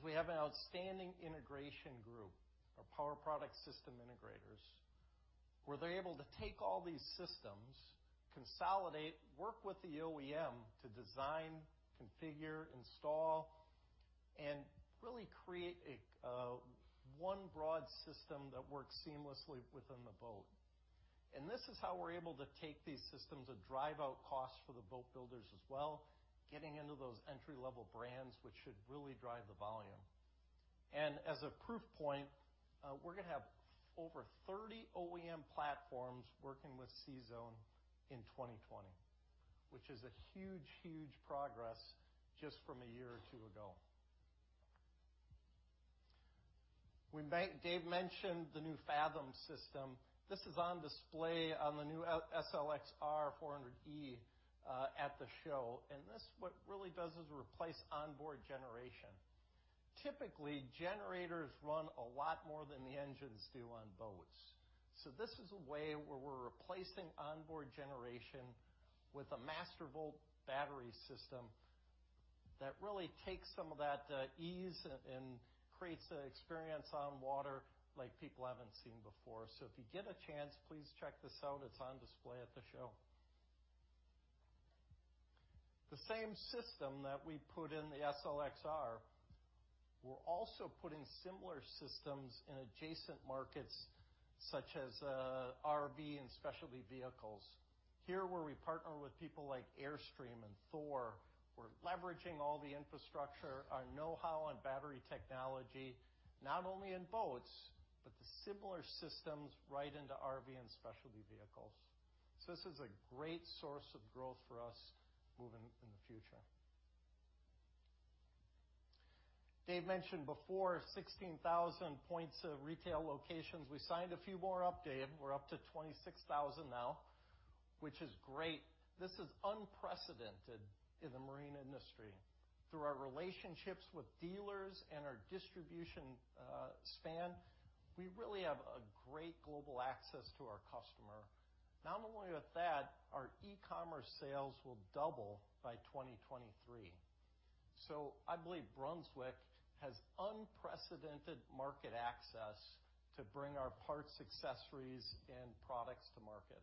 we have an outstanding integration group, our Power Products system integrators, where they're able to take all these systems, consolidate, work with the OEM to design, configure, install, and really create a one broad system that works seamlessly within the boat. And this is how we're able to take these systems and drive out costs for the boat builders as well, getting into those entry-level brands, which should really drive the volume. As a proof point, we're gonna have over 30 OEM platforms working with CZone in 2020, which is a huge, huge progress just from a year or two ago. Dave mentioned the new Fathom system. This is on display on the new SLX-R 400e at the show, and this, what it really does is replace onboard generation. Typically, generators run a lot more than the engines do on boats. So this is a way where we're replacing onboard generation with a Mastervolt battery system that really takes some of that ease and creates an experience on water like people haven't seen before. So if you get a chance, please check this out. It's on display at the show. The same system that we put in the SLX-R, we're also putting similar systems in adjacent markets, such as RV and specialty vehicles. Here, where we partner with people like Airstream and Thor, we're leveraging all the infrastructure, our know-how on battery technology, not only in boats, but the similar systems right into RV and specialty vehicles. So this is a great source of growth for us moving in the future. Dave mentioned before, 16,000 points of retail locations. We signed a few more updated. We're up to 26,000 now, which is great. This is unprecedented in the marine industry. Through our relationships with dealers and our distribution span, we really have a great global access to our customer. Not only with that, our e-commerce sales will double by 2023. So I believe Brunswick has unprecedented market access to bring our parts, accessories, and products to market.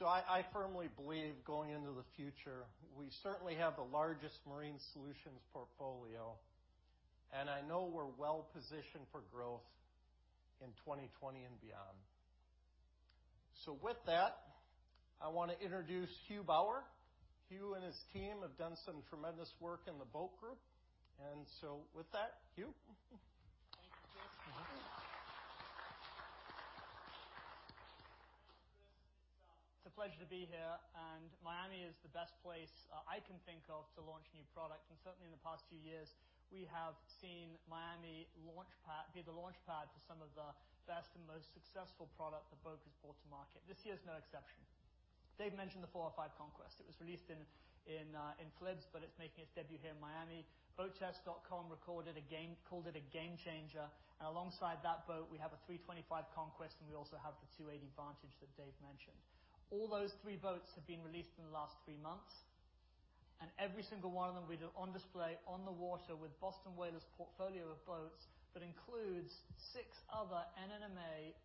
So I firmly believe going into the future, we certainly have the largest marine solutions portfolio, and I know we're well-positioned for growth in 2020 and beyond. So with that, I want to introduce Huw Bower. Huw and his team have done some tremendous work in the Boat Group, and so with that, Huw. Thank you, Chris. Mm-hmm. It's a pleasure to be here, and Miami is the best place I can think of to launch a new product. Certainly, in the past few years, we have seen Miami launch pad be the launch pad for some of the best and most successful product that Boat has brought to market. This year is no exception. Dave mentioned the 405 Conquest. It was released in FLIBS, but it's making its debut here in Miami. BoatTest.com called it a game changer, and alongside that boat, we have a 325 Conquest, and we also have the 280 Vantage that Dave mentioned. All those three boats have been released in the last three months, and every single one of them will be on display on the water with Boston Whaler’s portfolio of boats, that includes six other NMMA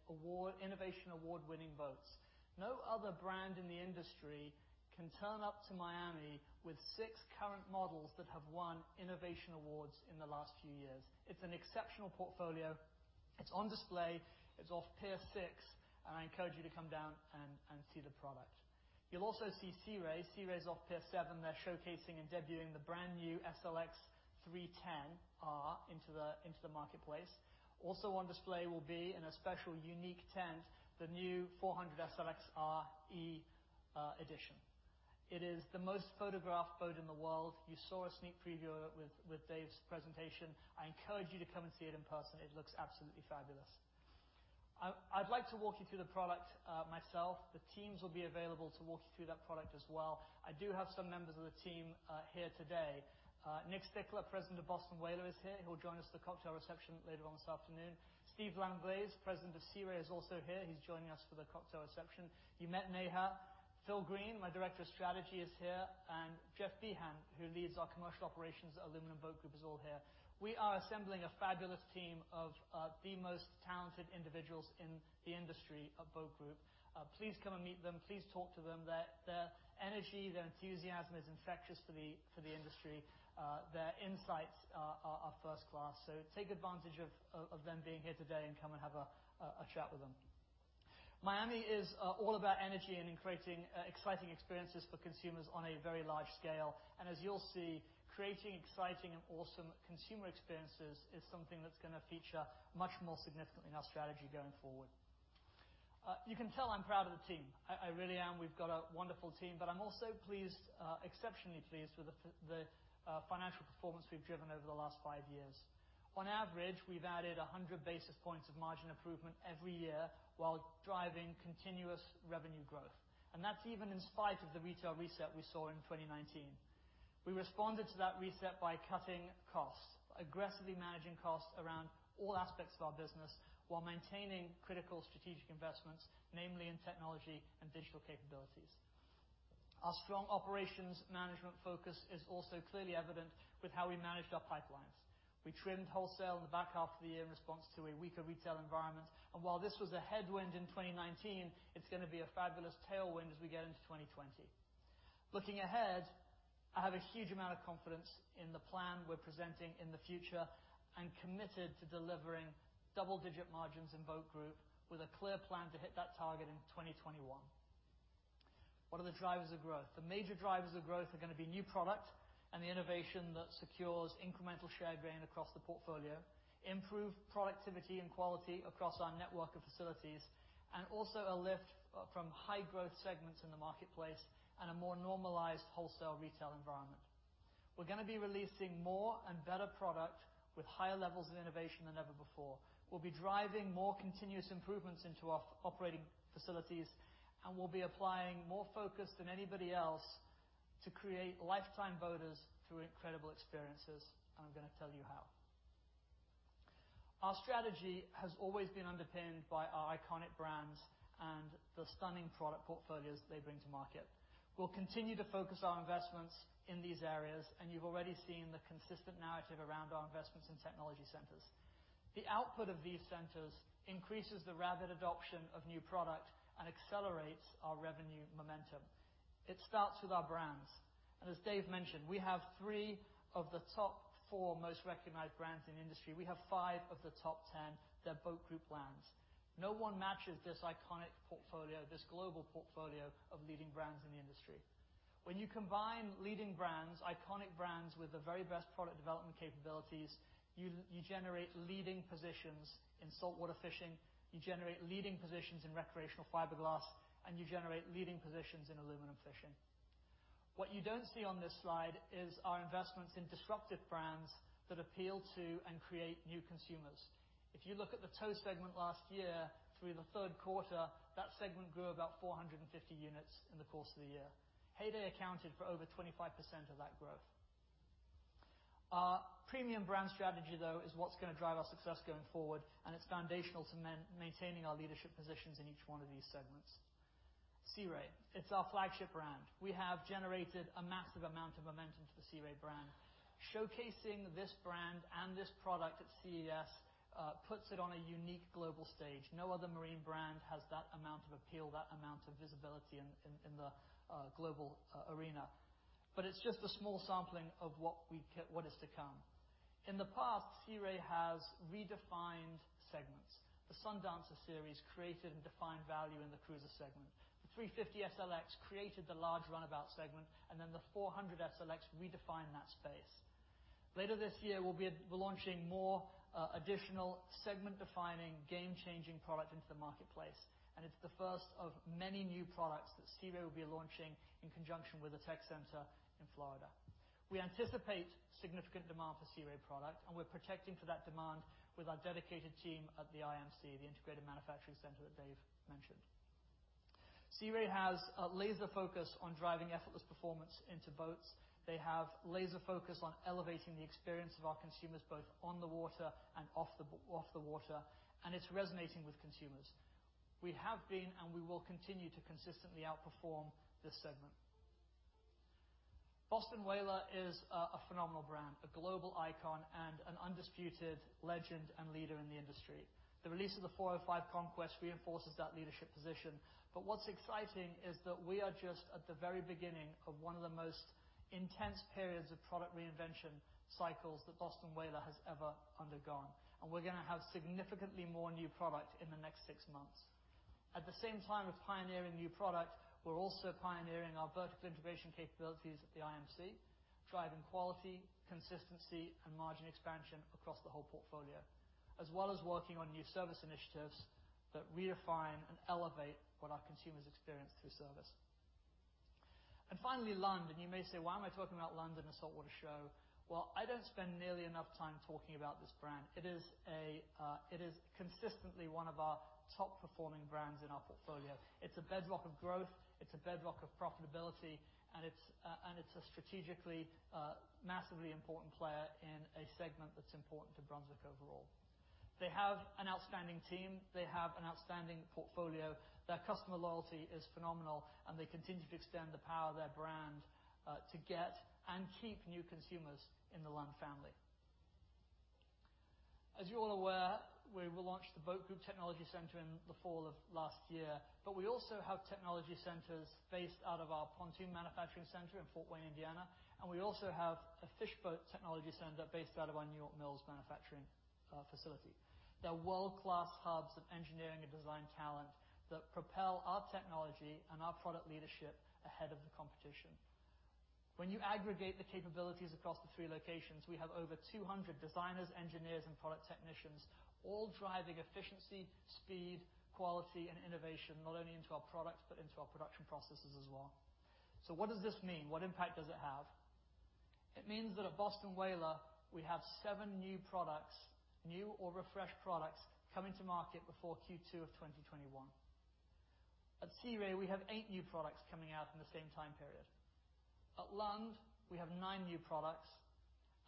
Innovation Award-winning boats. No other brand in the industry can turn up to Miami with six current models that have won innovation awards in the last few years. It's an exceptional portfolio. It's on display. It's off Pier 6, and I encourage you to come down and see the product. You'll also see Sea Ray. Sea Ray's off Pier 7. They're showcasing and debuting the brand new SLX-R 310 into the marketplace. Also on display will be, in a special unique tent, the new 400 SLX-RE edition. It is the most photographed boat in the world. You saw a sneak preview of it with Dave's presentation. I encourage you to come and see it in person. It looks absolutely fabulous. I'd like to walk you through the product myself. The teams will be available to walk you through that product as well. I do have some members of the team here today. Nick Stickler, President of Boston Whaler, is here. He'll join us at the cocktail reception later on this afternoon. Steve Langlais, President of Sea Ray, is also here. He's joining us for the cocktail reception. You met Neha. Phil Greene, my Director of Strategy, is here, and Jeff Behan, who leads our commercial operations at Aluminum Boat Group, is also here. We are assembling a fabulous team of the most talented individuals in the industry at Boat Group. Please come and meet them. Please talk to them. Their energy, their enthusiasm is infectious for the industry. Their insights are first-class, so take advantage of them being here today and come and have a chat with them. Miami is all about energy and in creating exciting experiences for consumers on a very large scale. As you'll see, creating exciting and awesome consumer experiences is something that's gonna feature much more significantly in our strategy going forward. You can tell I'm proud of the team. I really am. We've got a wonderful team, but I'm also pleased, exceptionally pleased with the financial performance we've driven over the last five years. On average, we've added 100 basis points of margin improvement every year while driving continuous revenue growth, and that's even in spite of the retail reset we saw in 2019. We responded to that reset by cutting costs, aggressively managing costs around all aspects of our business, while maintaining critical strategic investments, namely in technology and digital capabilities. Our strong operations management focus is also clearly evident with how we managed our pipelines. We trimmed wholesale in the back half of the year in response to a weaker retail environment, and while this was a headwind in 2019, it's gonna be a fabulous tailwind as we get into 2020. Looking ahead, I have a huge amount of confidence in the plan we're presenting in the future and committed to delivering double-digit margins in Boat Group with a clear plan to hit that target in 2021. What are the drivers of growth? The major drivers of growth are gonna be new product and the innovation that secures incremental share gain across the portfolio, improve productivity and quality across our network of facilities, and also a lift from high growth segments in the marketplace and a more normalized wholesale retail environment. We're gonna be releasing more and better product with higher levels of innovation than ever before. We'll be driving more continuous improvements into our operating facilities, and we'll be applying more focus than anybody else to create lifetime boaters through incredible experiences, and I'm gonna tell you how. Our strategy has always been underpinned by our iconic brands and the stunning product portfolios they bring to market. We'll continue to focus our investments in these areas, and you've already seen the consistent narrative around our investments in technology centers. The output of these centers increases the rapid adoption of new product and accelerates our revenue momentum. It starts with our brands, and as Dave mentioned, we have three of the top four most recognized brands in the industry. We have five of the top ten, they're Boat Group brands. No one matches this iconic portfolio, this global portfolio of leading brands in the industry. When you combine leading brands, iconic brands, with the very best product development capabilities, you, you generate leading positions in saltwater fishing, you generate leading positions in recreational fiberglass, and you generate leading positions in aluminum fishing. What you don't see on this slide is our investments in disruptive brands that appeal to and create new consumers. If you look at the tow segment last year through the third quarter, that segment grew about 450 units in the course of the year. Heyday accounted for over 25% of that growth. Our premium brand strategy, though, is what's gonna drive our success going forward, and it's foundational to maintaining our leadership positions in each one of these segments. Sea Ray, it's our flagship brand. We have generated a massive amount of momentum to the Sea Ray brand. Showcasing this brand and this product at CES puts it on a unique global stage. No other marine brand has that amount of appeal, that amount of visibility in the global arena, but it's just a small sampling of what is to come. In the past, Sea Ray has redefined segments. The Sundancer series created and defined value in the cruiser segment. The 350 SLX created the large runabout segment, and then the 400 SLX redefined that space. Later this year, we'll be launching more, additional segment-defining, game-changing product into the marketplace, and it's the first of many new products that Sea Ray will be launching in conjunction with the tech center in Florida. We anticipate significant demand for Sea Ray product, and we're protecting for that demand with our dedicated team at the IMC, the Integrated Manufacturing Center that Dave mentioned. Sea Ray has a laser focus on driving effortless performance into boats. They have laser focus on elevating the experience of our consumers, both on the water and off the water, and it's resonating with consumers. We have been, and we will continue to consistently outperform this segment. Boston Whaler is a phenomenal brand, a global icon, and an undisputed legend and leader in the industry. The release of the 405 Conquest reinforces that leadership position. But what's exciting is that we are just at the very beginning of one of the most intense periods of product reinvention cycles that Boston Whaler has ever undergone, and we're gonna have significantly more new product in the next six months. At the same time as pioneering new product, we're also pioneering our vertical integration capabilities at the IMC, driving quality, consistency, and margin expansion across the whole portfolio, as well as working on new service initiatives that redefine and elevate what our consumers experience through service. And finally, Lund. And you may say, "Why am I talking about Lund in a saltwater show?" Well, I don't spend nearly enough time talking about this brand. It is a, It is consistently one of our top-performing brands in our portfolio. It's a bedrock of growth, it's a bedrock of profitability, and it's, and it's a strategically, massively important player in a segment that's important to Brunswick overall. They have an outstanding team. They have an outstanding portfolio. Their customer loyalty is phenomenal, and they continue to extend the power of their brand, to get and keep new consumers in the Lund family. As you're all aware, we launched the Boat Group Technology Center in the fall of last year, but we also have technology centers based out of our pontoon manufacturing center in Fort Wayne, Indiana, and we also have a fish boat technology center based out of our New York Mills manufacturing, facility. They're world-class hubs of engineering and design talent that propel our technology and our product leadership ahead of the competition. When you aggregate the capabilities across the three locations, we have over 200 designers, engineers, and product technicians, all driving efficiency, speed, quality, and innovation, not only into our products but into our production processes as well. So what does this mean? What impact does it have? It means that at Boston Whaler, we have seven new products, new or refreshed products, coming to market before Q2 of 2021. At Sea Ray, we have eight new products coming out in the same time period. At Lund, we have nine new products,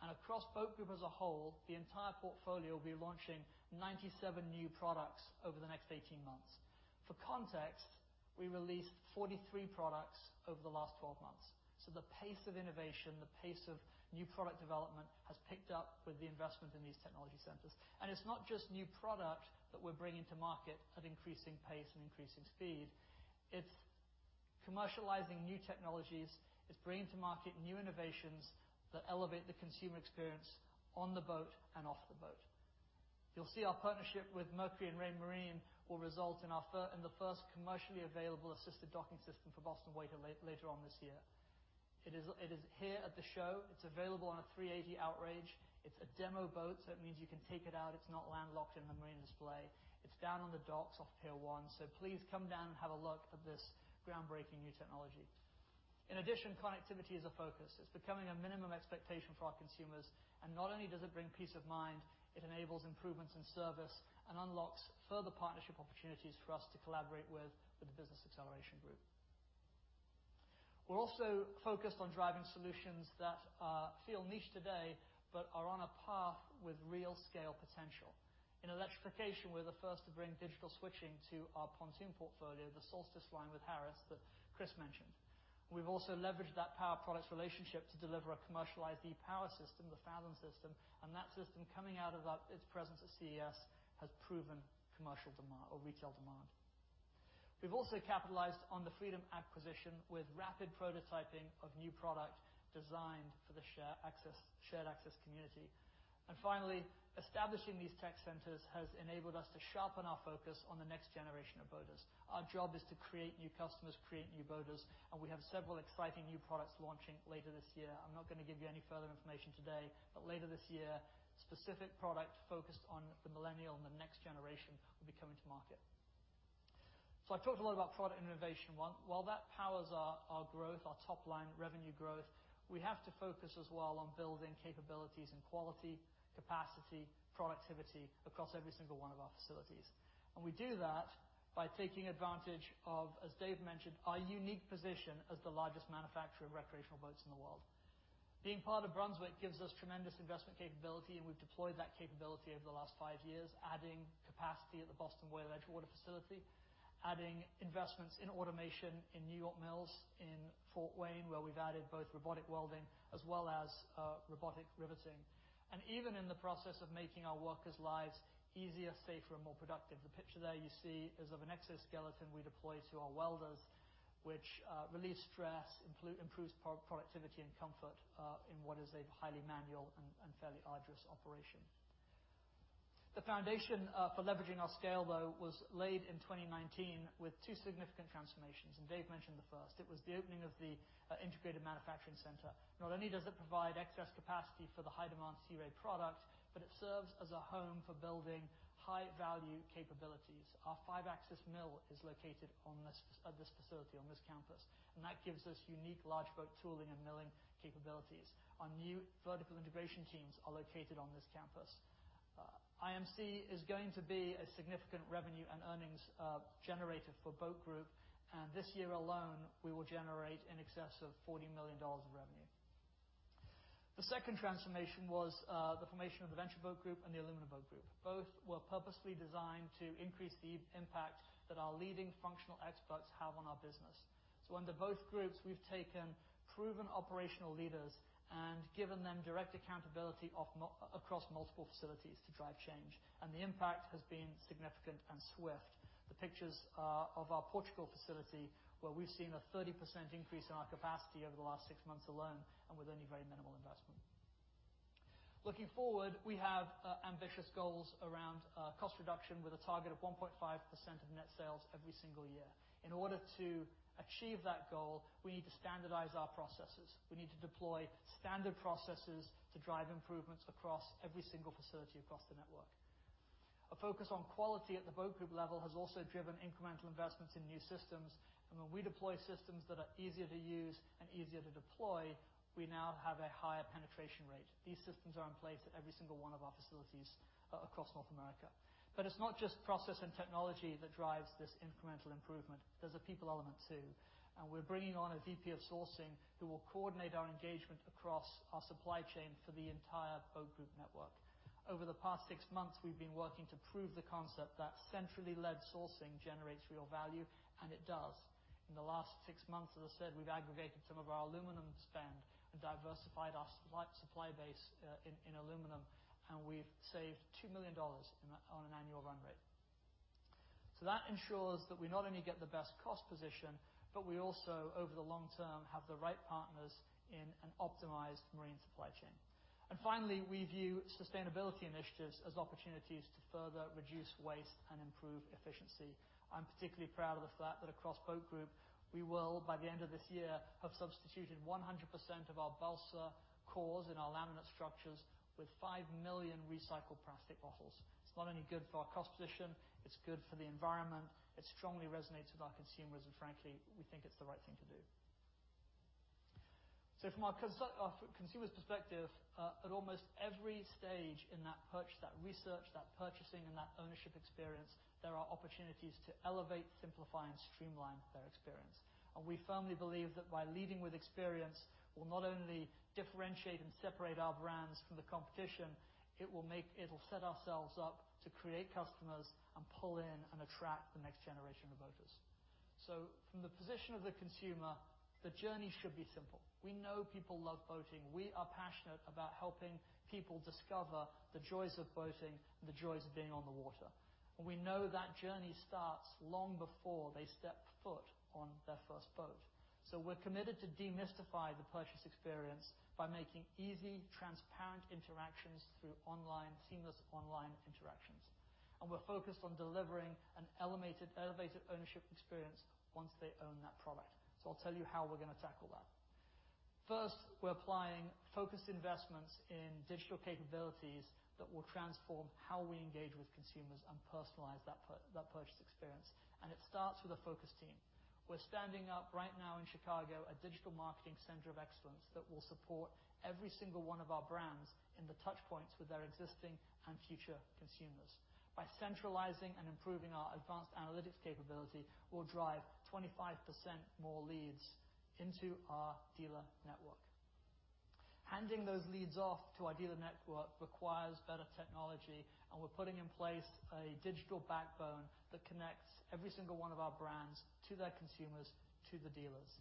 and across Boat Group as a whole, the entire portfolio will be launching 97 new products over the next 18 months. For context, we released 43 products over the last 12 months. So the pace of innovation, the pace of new product development, has picked up with the investment in these technology centers. It's not just new product that we're bringing to market at increasing pace and increasing speed. It's commercializing new technologies. It's bringing to market new innovations that elevate the consumer experience on the boat and off the boat. You'll see our partnership with Mercury and Raymarine will result in our in the first commercially available assisted docking system for Boston Whaler later on this year. It is, it is here at the show. It's available on a 380 Outrage. It's a demo boat, so it means you can take it out. It's not land-locked in the marine display. It's down on the docks off Pier One, so please come down and have a look at this groundbreaking new technology. In addition, connectivity is a focus. It's becoming a minimum expectation for our consumers, and not only does it bring peace of mind, it enables improvements in service and unlocks further partnership opportunities for us to collaborate with the Business Acceleration Group. We're also focused on driving solutions that feel niche today, but are on a path with real scale potential. In electrification, we're the first to bring digital switching to our pontoon portfolio, the Solstice line with Harris that Chris mentioned. We've also leveraged that Power Products relationship to deliver a commercialized e-power system, the Fathom system, and that system coming out of that, its presence at CES, has proven commercial demand or retail demand. We've also capitalized on the Freedom acquisition with rapid prototyping of new product designed for the share access, shared access community. And finally, establishing these tech centers has enabled us to sharpen our focus on the next generation of boaters. Our job is to create new customers, create new boaters, and we have several exciting new products launching later this year. I'm not going to give you any further information today, but later this year, specific product focused on the millennial and the next generation will be coming to market. So I've talked a lot about product innovation. While that powers our growth, our top line revenue growth, we have to focus as well on building capabilities and quality, capacity, productivity across every single one of our facilities. And we do that by taking advantage of, as Dave mentioned, our unique position as the largest manufacturer of recreational boats in the world. Being part of Brunswick gives us tremendous investment capability, and we've deployed that capability over the last 5 years, adding capacity at the Boston Whaler Edgewater facility, adding investments in automation in New York Mills, in Fort Wayne, where we've added both robotic welding as well as robotic riveting. Even in the process of making our workers' lives easier, safer, and more productive. The picture there you see is of an exoskeleton we deploy to our welders, which relieves stress, improves productivity and comfort in what is a highly manual and fairly arduous operation. The foundation for leveraging our scale, though, was laid in 2019 with two significant transformations, and Dave mentioned the first. It was the opening of the Integrated Manufacturing Center. Not only does it provide excess capacity for the high-demand Sea Ray product, but it serves as a home for building high-value capabilities. Our five-axis mill is located on this, at this facility, on this campus, and that gives us unique large boat tooling and milling capabilities. Our new vertical integration teams are located on this campus. IMC is going to be a significant revenue and earnings generator for Boat Group, and this year alone, we will generate in excess of $40 million of revenue. The second transformation was the formation of the Brunswick Boat Group and the Aluminum Boat Group. Both were purposely designed to increase the impact that our leading functional experts have on our business. Under both groups, we've taken proven operational leaders and given them direct accountability across multiple facilities to drive change, and the impact has been significant and swift. The pictures are of our Portugal facility, where we've seen a 30% increase in our capacity over the last six months alone and with only very minimal investment. Looking forward, we have ambitious goals around cost reduction with a target of 1.5% of net sales every single year. In order to achieve that goal, we need to standardize our processes. We need to deploy standard processes to drive improvements across every single facility across the network. A focus on quality at the Boat Group level has also driven incremental investments in new systems, and when we deploy systems that are easier to use and easier to deploy, we now have a higher penetration rate. These systems are in place at every single one of our facilities across North America. But it's not just process and technology that drives this incremental improvement, there's a people element, too. And we're bringing on a VP of sourcing who will coordinate our engagement across our supply chain for the entire Boat Group network. Over the past six months, we've been working to prove the concept that centrally led sourcing generates real value, and it does. In the last six months, as I said, we've aggregated some of our aluminum spend and diversified our supply base in aluminum, and we've saved $2 million on an annual run rate. So that ensures that we not only get the best cost position, but we also, over the long term, have the right partners in an optimized marine supply chain. Finally, we view sustainability initiatives as opportunities to further reduce waste and improve efficiency. I'm particularly proud of the fact that across Boat Group, we will, by the end of this year, have substituted 100% of our balsa cores in our laminate structures with 5 million recycled plastic bottles. It's not only good for our cost position, it's good for the environment, it strongly resonates with our consumers, and frankly, we think it's the right thing to do. So from our consumer's perspective, at almost every stage in that purchasing, and that ownership experience, there are opportunities to elevate, simplify, and streamline their experience. And we firmly believe that by leading with experience, we'll not only differentiate and separate our brands from the competition, it'll set ourselves up to create customers and pull in and attract the next generation of boaters. So from the position of the consumer, the journey should be simple. We know people love boating. We are passionate about helping people discover the joys of boating and the joys of being on the water, and we know that journey starts long before they step foot on their first boat. So we're committed to demystify the purchase experience by making easy, transparent interactions through online, seamless online interactions. And we're focused on delivering an elevated, elevated ownership experience once they own that product. So I'll tell you how we're gonna tackle that. First, we're applying focused investments in digital capabilities that will transform how we engage with consumers and personalize that purchase experience, and it starts with a focus team. We're standing up right now in Chicago, a digital marketing center of excellence that will support every single one of our brands in the touch points with their existing and future consumers. By centralizing and improving our advanced analytics capability, we'll drive 25% more leads into our dealer network. Handing those leads off to our dealer network requires better technology, and we're putting in place a digital backbone that connects every single one of our brands to their consumers, to the dealers.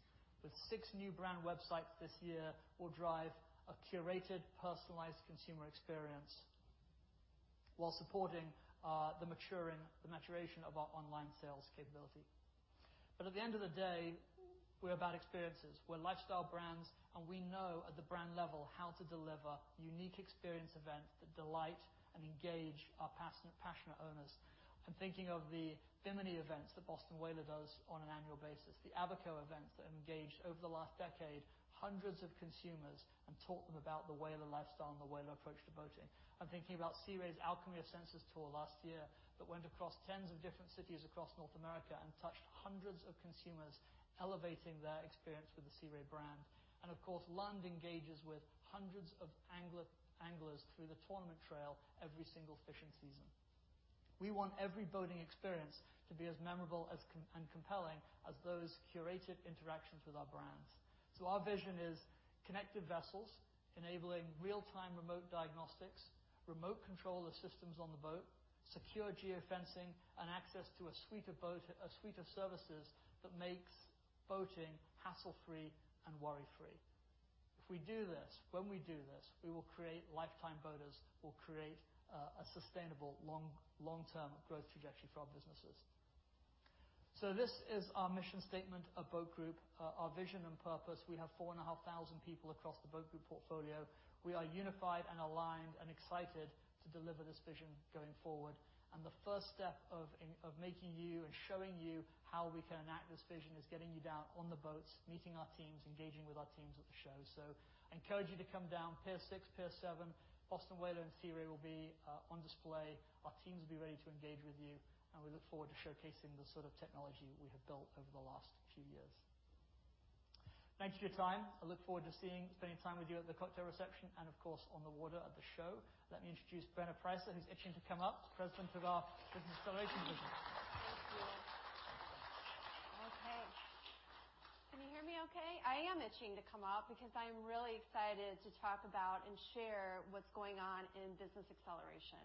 With six new brand websites this year, we'll drive a curated, personalized consumer experience while supporting the maturing, the maturation of our online sales capability. But at the end of the day, we're about experiences. We're lifestyle brands, and we know at the brand level how to deliver unique experience events that delight and engage our passionate owners. I'm thinking of the Bimini events that Boston Whaler does on an annual basis, the Abaco events that have engaged over the last decade, hundreds of consumers, and taught them about the Whaler lifestyle and the Whaler approach to boating. I'm thinking about Sea Ray's Alchemy of Senses tour last year, that went across tens of different cities across North America and touched hundreds of consumers, elevating their experience with the Sea Ray brand. And of course, Lund engages with hundreds of anglers through the tournament trail every single fishing season. We want every boating experience to be as memorable and compelling as those curated interactions with our brands. So our vision is connected vessels, enabling real-time remote diagnostics, remote control of systems on the boat, secure geo-fencing, and access to a suite of services that makes boating hassle-free and worry-free. If we do this, when we do this, we will create lifetime boaters. We'll create a sustainable, long-term growth trajectory for our businesses. So this is our mission statement of Boat Group, our vision and purpose. We have 4,500 people across the Boat Group portfolio. We are unified and aligned and excited to deliver this vision going forward. And the first step of making you and showing you how we can enact this vision is getting you down on the boats, meeting our teams, engaging with our teams at the show. So I encourage you to come down, pier six, pier seven, Boston Whaler, and Sea Ray will be on display. Our teams will be ready to engage with you, and we look forward to showcasing the sort of technology we have built over the last few years. Thank you for your time. I look forward to spending time with you at the cocktail reception and, of course, on the water at the show. Let me introduce Brenna Preisser, who's itching to come up, President of our Business Acceleration Division. Thank you. Okay. Can you hear me okay? I am itching to come up because I'm really excited to talk about and share what's going on in Business Acceleration.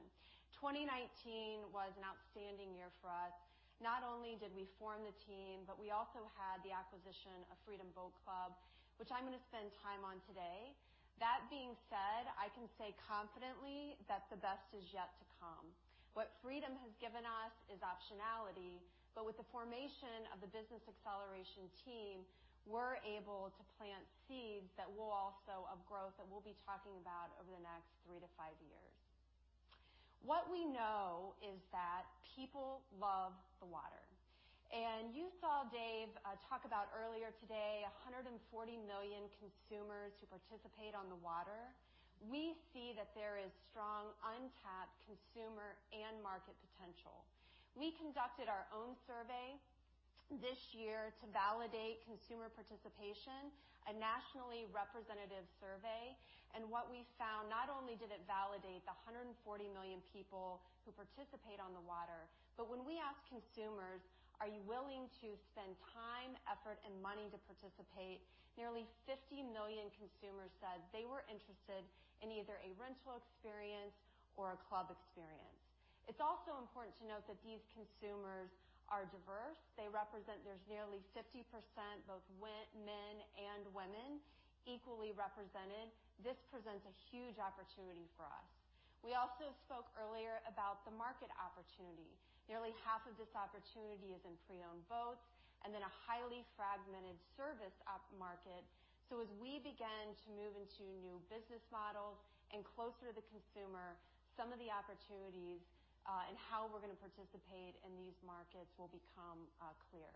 2019 was an outstanding year for us. Not only did we form the team, but we also had the acquisition of Freedom Boat Club, which I'm going to spend time on today. That being said, I can say confidently that the best is yet to come. What Freedom has given us is optionality, but with the formation of the Business Acceleration team, we're able to plant seeds of growth that we'll be talking about over the next three to five years. What we know is that people love the water, and you saw Dave talk about earlier today, 140 million consumers who participate on the water. We see that there is strong, untapped consumer and market potential. We conducted our own survey this year to validate consumer participation, a nationally representative survey, and what we found, not only did it validate the 140 million people who participate on the water, but when we asked consumers: Are you willing to spend time, effort, and money to participate? Nearly 50 million consumers said they were interested in either a rental experience or a club experience. It's also important to note that these consumers are diverse. They represent there's nearly 50%, both men and women, equally represented. This presents a huge opportunity for us. We also spoke earlier about the market opportunity. Nearly half of this opportunity is in pre-owned boats and then a highly fragmented service op market. So as we begin to move into new business models and closer to the consumer, some of the opportunities and how we're going to participate in these markets will become clear.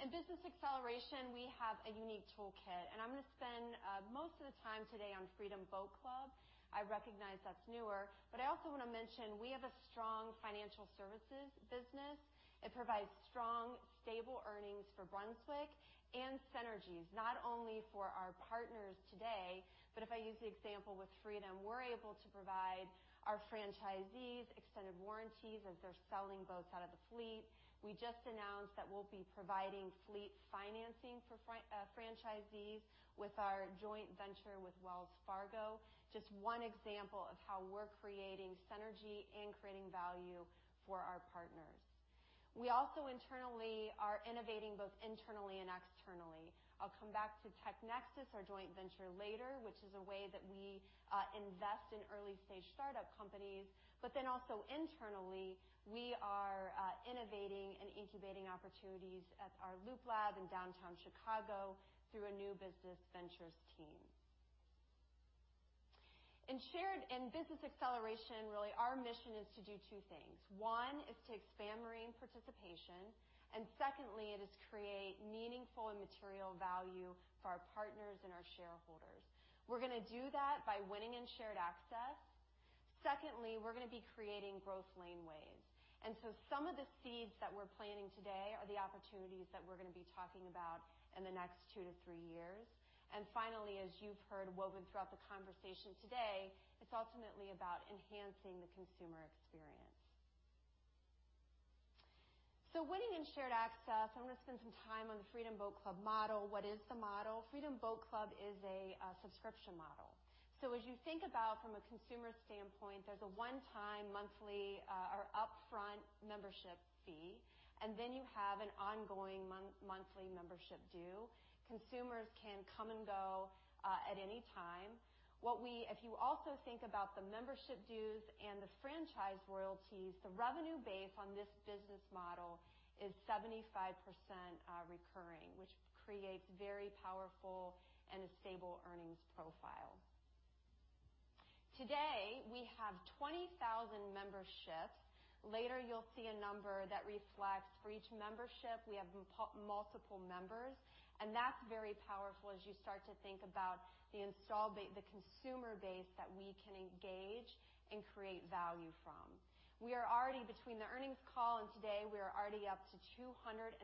In business acceleration, we have a unique toolkit, and I'm going to spend most of the time today on Freedom Boat Club. I recognize that's newer, but I also want to mention we have a strong financial services business. It provides strong, stable earnings for Brunswick and synergies, not only for our partners today, but if I use the example with Freedom, we're able to provide our franchisees extended warranties as they're selling boats out of the fleet. We just announced that we'll be providing fleet financing for franchisees with our joint venture with Wells Fargo. Just one example of how we're creating synergy and creating value for our partners. We also internally are innovating both internally and externally. I'll come back to TechNexus, our joint venture, later, which is a way that we invest in early-stage startup companies, but then also internally, we are innovating and incubating opportunities at our Loop Lab in downtown Chicago through a new business ventures team. In business acceleration, really, our mission is to do two things. One is to expand marine participation, and secondly, it is create meaningful and material value for our partners and our shareholders. We're going to do that by winning in shared access. Secondly, we're going to be creating growth laneways, and so some of the seeds that we're planting today are the opportunities that we're going to be talking about in the next two to three years. And finally, as you've heard woven throughout the conversation today, it's ultimately about enhancing the consumer experience. So winning in shared access, I'm going to spend some time on the Freedom Boat Club model. What is the model? Freedom Boat Club is a subscription model. So as you think about from a consumer standpoint, there's a one-time monthly or upfront membership fee, and then you have an ongoing monthly membership due. Consumers can come and go at any time. If you also think about the membership dues and the franchise royalties, the revenue base on this business model is 75% recurring, which creates very powerful and a stable earnings profile. Today, we have 20,000 memberships. Later, you'll see a number that reflects for each membership, we have multiple members, and that's very powerful as you start to think about the consumer base that we can engage and create value from. We are already, between the earnings call and today, we are already up to 213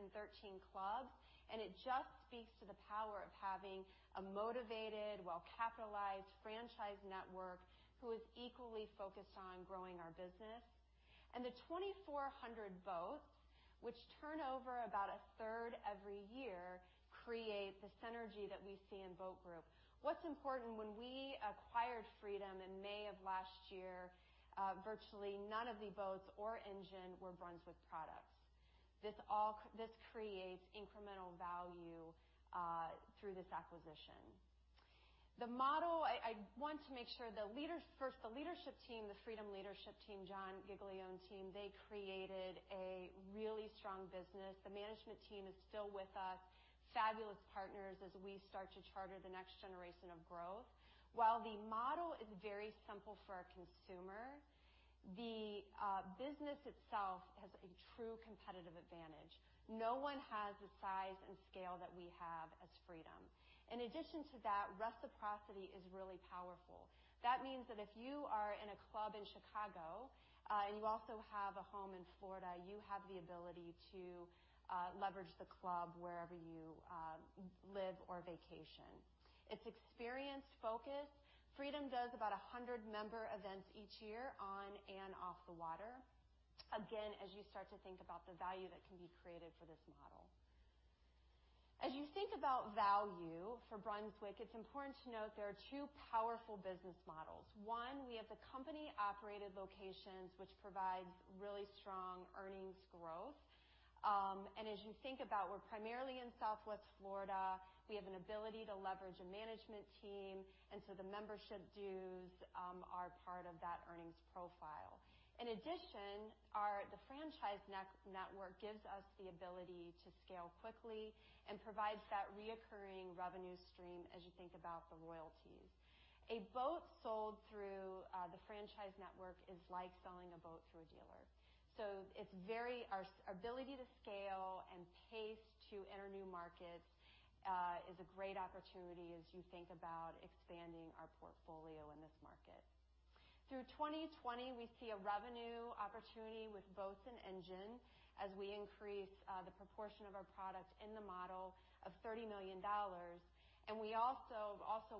clubs, and it just speaks to the power of having a motivated, well-capitalized franchise network who is equally focused on growing our business. And the 2,400 boats, which turn over about a third every year, create the synergy that we see in Boat Group. What's important, when we acquired Freedom in May of last year, virtually none of the boats or engine were Brunswick products. This all creates incremental value through this acquisition. The model... I want to make sure the leaders first, the leadership team, the Freedom leadership team, John Giglio team, they created a really strong business. The management team is still with us, fabulous partners, as we start to charter the next generation of growth. While the model is very simple for our consumer, the business itself has a true competitive advantage. No one has the size and scale that we have as Freedom. In addition to that, reciprocity is really powerful. That means that if you are in a club in Chicago, and you also have a home in Florida, you have the ability to leverage the club wherever you live or vacation. It's experience-focused. Freedom does about 100 member events each year, on and off the water. Again, as you start to think about the value that can be created for this model. As you think about value for Brunswick, it's important to note there are two powerful business models. One, we have the company-operated locations, which provides really strong earnings growth. And as you think about, we're primarily in Southwest Florida. We have an ability to leverage a management team, and so the membership dues are part of that earnings profile. In addition, the franchise network gives us the ability to scale quickly and provides that recurring revenue stream as you think about the royalties. A boat sold through the franchise network is like selling a boat through a dealer. So it's our ability to scale and pace to enter new markets is a great opportunity as you think about expanding our portfolio in this market. Through 2020, we see a revenue opportunity with boats and engine as we increase the proportion of our product in the model of $30 million. And we also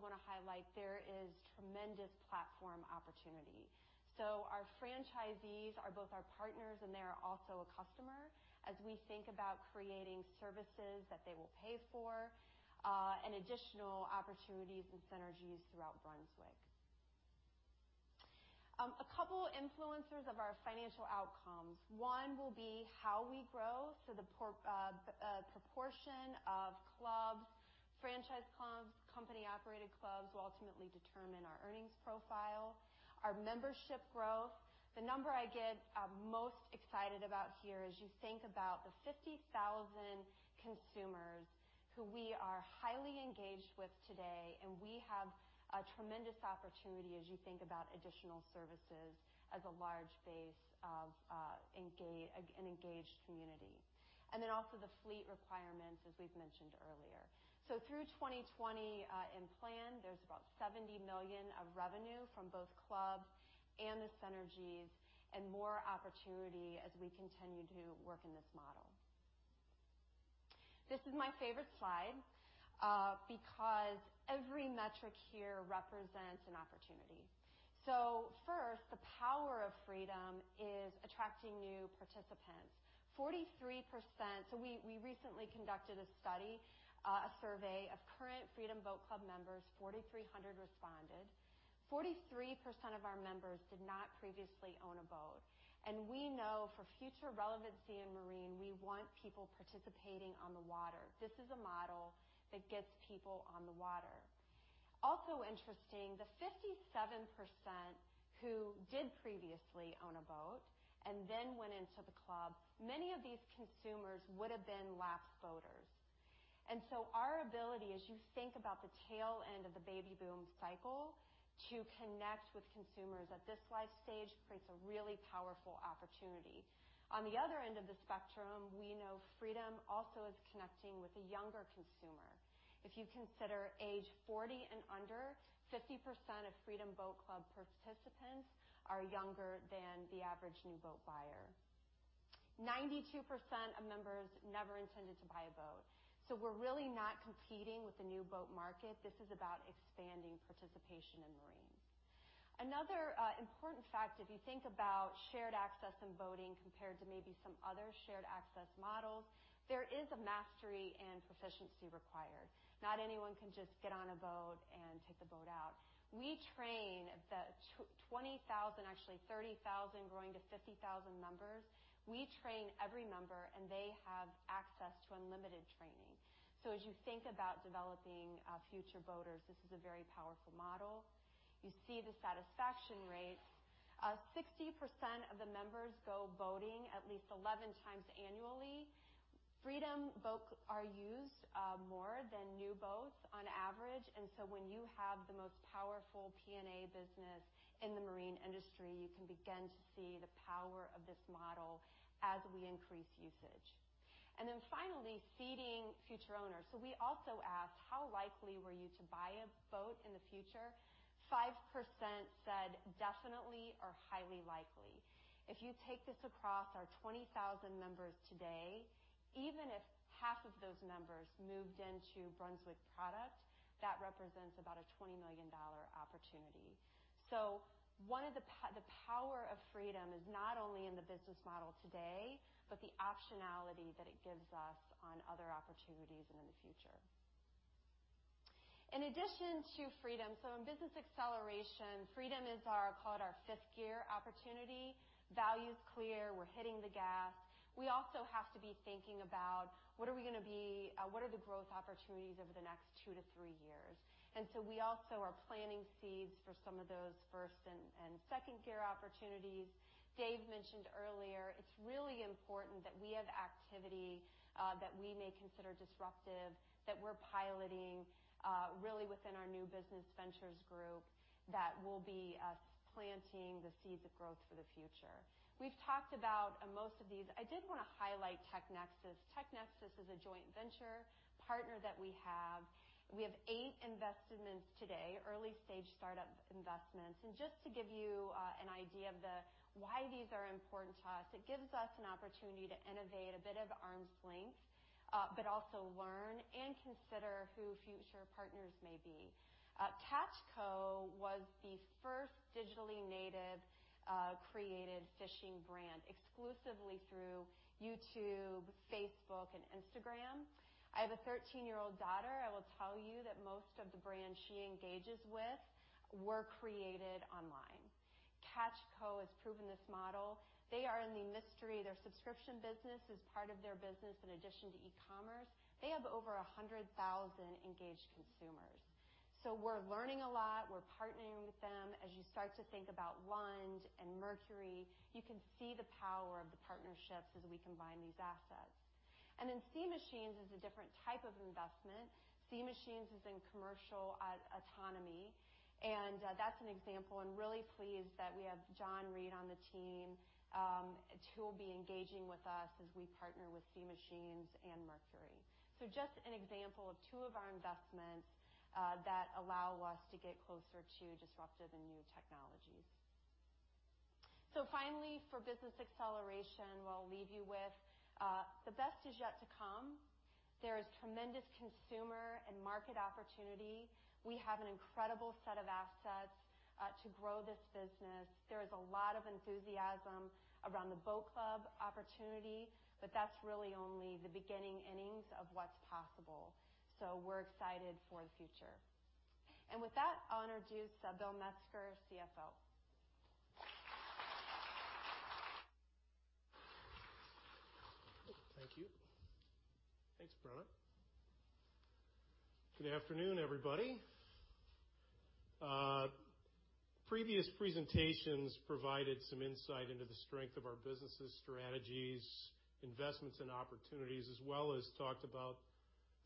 want to highlight there is tremendous platform opportunity. So our franchisees are both our partners, and they are also a customer as we think about creating services that they will pay for, and additional opportunities and synergies throughout Brunswick. A couple influencers of our financial outcomes. One will be how we grow, so the proportion of clubs, franchise clubs, company-operated clubs, will ultimately determine our earnings profile. Our membership growth. The number I get most excited about here is you think about the 50,000 consumers who we are highly engaged with today, and we have a tremendous opportunity as you think about additional services as a large base of an engaged community, and then also the fleet requirements, as we've mentioned earlier. Through 2020, in plan, there's about $70 million of revenue from both clubs and the synergies and more opportunity as we continue to work in this model. This is my favorite slide, because every metric here represents an opportunity. First, the power of Freedom is attracting new participants. 43%... We recently conducted a study, a survey of current Freedom Boat Club members, 4,300 responded. 43% of our members did not previously own a boat, and we know for future relevancy in marine, we want people participating on the water. This is a model that gets people on the water. Also interesting, the 57% who did previously own a boat and then went into the club, many of these consumers would have been lapsed boaters. Our ability, as you think about the tail end of the baby boom cycle, to connect with consumers at this life stage, creates a really powerful opportunity. On the other end of the spectrum, we know Freedom also is connecting with a younger consumer. If you consider age 40 and under, 50% of Freedom Boat Club participants are younger than the average new boat buyer. 92% of members never intended to buy a boat, so we're really not competing with the new boat market. This is about expanding participation in marine. Another important fact, if you think about shared access and boating compared to maybe some other shared access models, there is a mastery and proficiency required. Not anyone can just get on a boat and take the boat out. We train the 20,000, actually 30,000, growing to 50,000 members. We train every member, and they have access to unlimited training. So as you think about developing future boaters, this is a very powerful model. You see the satisfaction rates. 60% of the members go boating at least 11 times annually. Freedom boats are used more than new boats on average, and so when you have the most powerful P&A business in the marine industry, you can begin to see the power of this model as we increase usage. And then finally, seeding future owners. So we also asked, how likely were you to buy a boat in the future? 5% said, "Definitely or highly likely." If you take this across our 20,000 members today, even if half of those members moved into Brunswick product, that represents about a $20 million opportunity. So one of the—the power of Freedom is not only in the business model today, but the optionality that it gives us on other opportunities and in the future. In addition to Freedom, so in business acceleration, Freedom is our, call it our fifth gear opportunity. Value's clear. We're hitting the gas. We also have to be thinking about what are the growth opportunities over the next 2-3 years? And so we also are planting seeds for some of those first and second gear opportunities. Dave mentioned earlier, it's really important that we have activity that we may consider disruptive, that we're piloting really within our new business ventures group, that will be us planting the seeds of growth for the future. We've talked about most of these. I did want to highlight TechNexus. TechNexus is a joint venture partner that we have. We have 8 investments today, early-stage startup investments. Just to give you an idea of why these are important to us, it gives us an opportunity to innovate a bit of arm's length, but also learn and consider who future partners may be. Catch Co. was the first digitally native created fishing brand, exclusively through YouTube, Facebook, and Instagram. I have a 13-year-old daughter. I will tell you that most of the brands she engages with were created online... Catch Co. has proven this model. They are in the industry. Their subscription business is part of their business, in addition to e-commerce, they have over 100,000 engaged consumers. So we're learning a lot. We're partnering with them. As you start to think about Lund and Mercury, you can see the power of the partnerships as we combine these assets. Then Sea Machines is a different type of investment. Sea Machines is in commercial, autonomy, and that's an example. I'm really pleased that we have John Reid on the team, who will be engaging with us as we partner with Sea Machines and Mercury. Just an example of two of our investments, that allow us to get closer to disruptive and new technologies. Finally, for business acceleration, we'll leave you with, the best is yet to come. There is tremendous consumer and market opportunity. We have an incredible set of assets, to grow this business. There is a lot of enthusiasm around the Boat Club opportunity, but that's really only the beginning innings of what's possible. We're excited for the future. With that, I'll introduce Bill Metzger, CFO. Thank you. Thanks, Brenna. Good afternoon, everybody. Previous presentations provided some insight into the strength of our businesses, strategies, investments, and opportunities, as well as talked about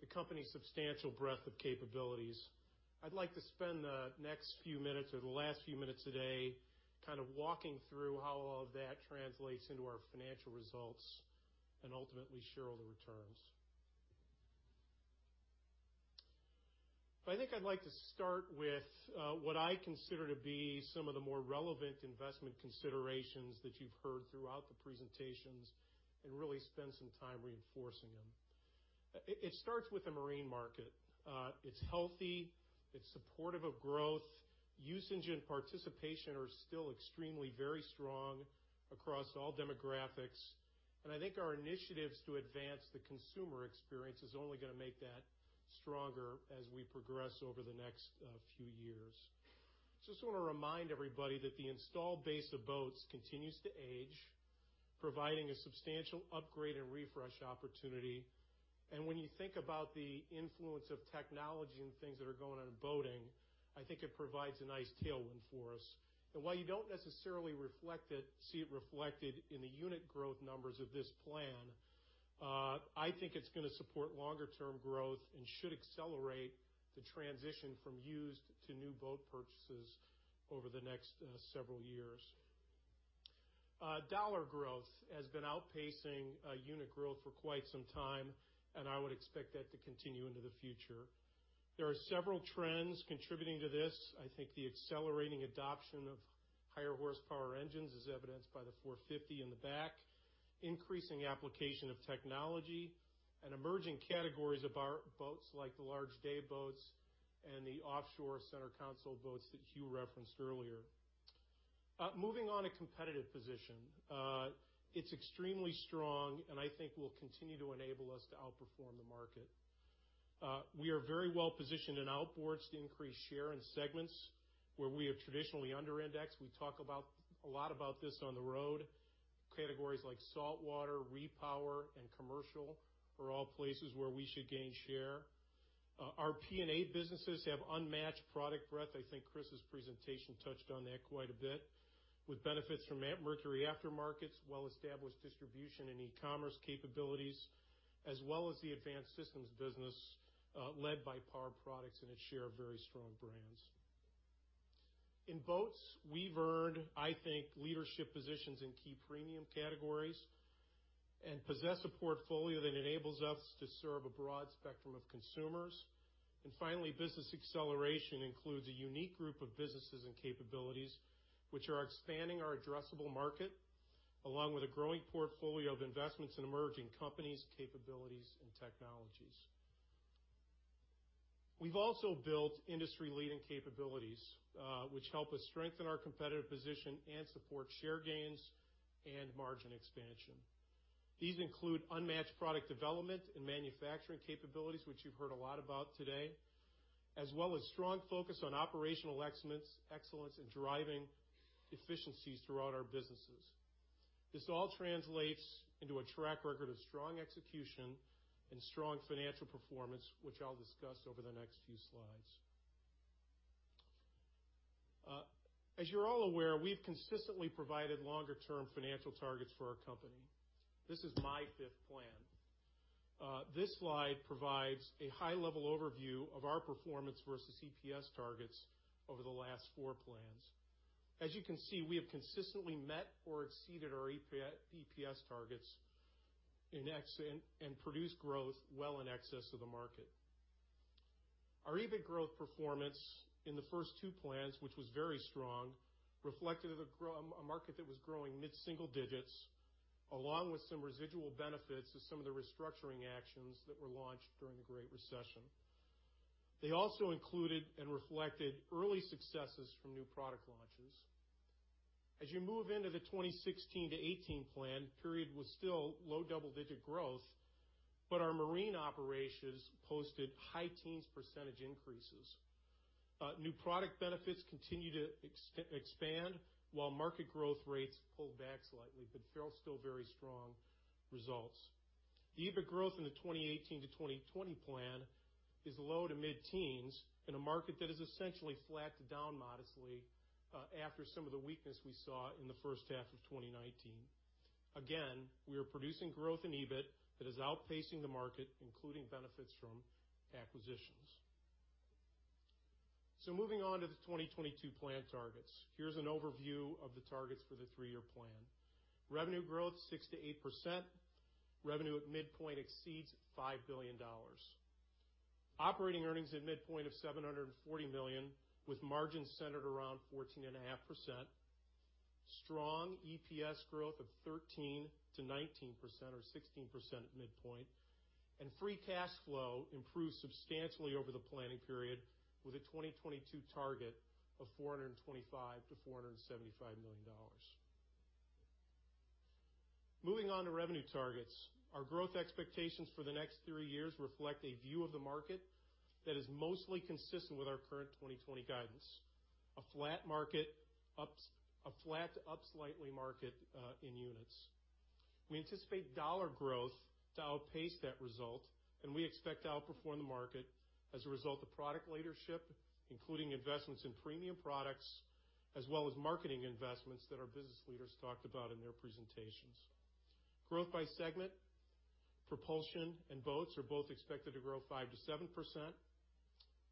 the company's substantial breadth of capabilities. I'd like to spend the next few minutes or the last few minutes today, kind of walking through how all of that translates into our financial results, and ultimately share all the returns. But I think I'd like to start with what I consider to be some of the more relevant investment considerations that you've heard throughout the presentations and really spend some time reinforcing them. It starts with the marine market. It's healthy. It's supportive of growth. Usage and participation are still extremely very strong across all demographics, and I think our initiatives to advance the consumer experience is only gonna make that stronger as we progress over the next few years. Just wanna remind everybody that the installed base of boats continues to age, providing a substantial upgrade and refresh opportunity. When you think about the influence of technology and things that are going on in boating, I think it provides a nice tailwind for us. While you don't necessarily reflect it, see it reflected in the unit growth numbers of this plan, I think it's gonna support longer term growth and should accelerate the transition from used to new boat purchases over the next several years. Dollar growth has been outpacing unit growth for quite some time, and I would expect that to continue into the future. There are several trends contributing to this. I think the accelerating adoption of higher horsepower engines, as evidenced by the 450 in the back, increasing application of technology and emerging categories of our boats, like the large day boats and the offshore center console boats that Huw referenced earlier. Moving on to competitive position. It's extremely strong, and I think will continue to enable us to outperform the market. We are very well positioned in outboards to increase share in segments where we have traditionally under indexed. We talk about a lot about this on the road. Categories like saltwater, repower, and commercial are all places where we should gain share. Our P&A businesses have unmatched product breadth. I think Chris's presentation touched on that quite a bit, with benefits from Mercury aftermarkets, well-established distribution and e-commerce capabilities, as well as the advanced systems business, led by Power Products and its share of very strong brands. In boats, we've earned, I think, leadership positions in key premium categories and possess a portfolio that enables us to serve a broad spectrum of consumers. And finally, business acceleration includes a unique group of businesses and capabilities, which are expanding our addressable market, along with a growing portfolio of investments in emerging companies, capabilities, and technologies. We've also built industry-leading capabilities, which help us strengthen our competitive position and support share gains and margin expansion. These include unmatched product development and manufacturing capabilities, which you've heard a lot about today, as well as strong focus on operational excellence, excellence in driving efficiencies throughout our businesses. This all translates into a track record of strong execution and strong financial performance, which I'll discuss over the next few slides. As you're all aware, we've consistently provided longer term financial targets for our company. This is my fifth plan. This slide provides a high-level overview of our performance versus EPS targets over the last four plans. As you can see, we have consistently met or exceeded our EPS targets and produced growth well in excess of the market. Our EBIT growth performance in the first two plans, which was very strong, reflected a market that was growing mid-single digits, along with some residual benefits of some of the restructuring actions that were launched during the Great Recession. They also included and reflected early successes from new product launches. As you move into the 2016-2018 plan period, it was still low double-digit growth, but our marine operations posted high-teens percentage increases. New product benefits continue to expand, while market growth rates pulled back slightly, but they're still very strong results. The EBIT growth in the 2018-2020 plan is low- to mid-teens in a market that is essentially flat to down modestly, after some of the weakness we saw in the first half of 2019. Again, we are producing growth in EBIT that is outpacing the market, including benefits from acquisitions. So moving on to the 2022 plan targets. Here's an overview of the targets for the three-year plan. Revenue growth, 6%-8%. Revenue at midpoint exceeds $5 billion. Operating earnings at midpoint of $740 million, with margins centered around 14.5%. Strong EPS growth of 13%-19% or 16% at midpoint, and free cash flow improved substantially over the planning period, with a 2022 target of $425 million-$475 million. Moving on to revenue targets. Our growth expectations for the next three years reflect a view of the market that is mostly consistent with our current 2020 guidance. A flat to up slightly market in units. We anticipate dollar growth to outpace that result, and we expect to outperform the market as a result of product leadership, including investments in premium products, as well as marketing investments that our business leaders talked about in their presentations. Growth by segment. Propulsion and boats are both expected to grow 5%-7%.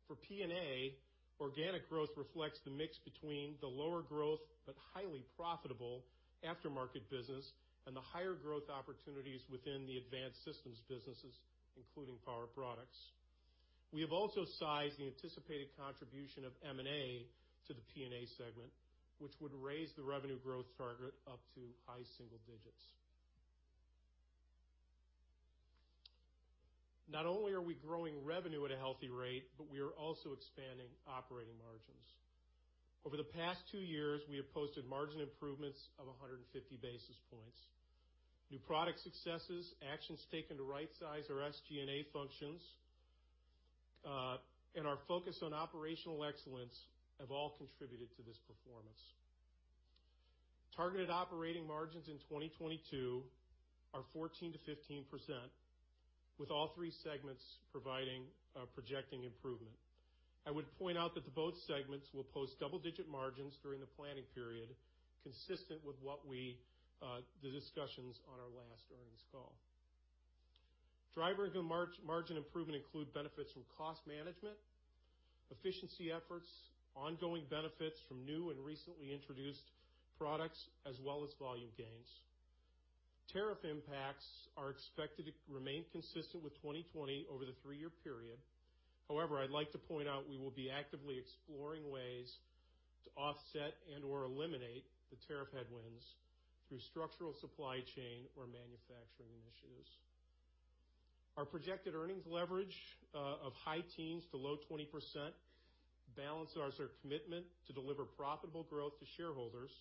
For P&A, organic growth reflects the mix between the lower growth, but highly profitable aftermarket business and the higher growth opportunities within the advanced systems businesses, including power products. We have also sized the anticipated contribution of M&A to the P&A segment, which would raise the revenue growth target up to high single digits. Not only are we growing revenue at a healthy rate, but we are also expanding operating margins. Over the past two years, we have posted margin improvements of 150 basis points. New product successes, actions taken to right size our SG&A functions, and our focus on operational excellence have all contributed to this performance. Targeted operating margins in 2022 are 14%-15%, with all three segments providing projecting improvement. I would point out that the boat segments will post double-digit margins during the planning period, consistent with what we, the discussions on our last earnings call. Drivers of margin improvement include benefits from cost management, efficiency efforts, ongoing benefits from new and recently introduced products, as well as volume gains. Tariff impacts are expected to remain consistent with 2020 over the three-year period. However, I'd like to point out, we will be actively exploring ways to offset and/or eliminate the tariff headwinds through structural supply chain or manufacturing initiatives. Our projected earnings leverage of high teens to low 20% balances our commitment to deliver profitable growth to shareholders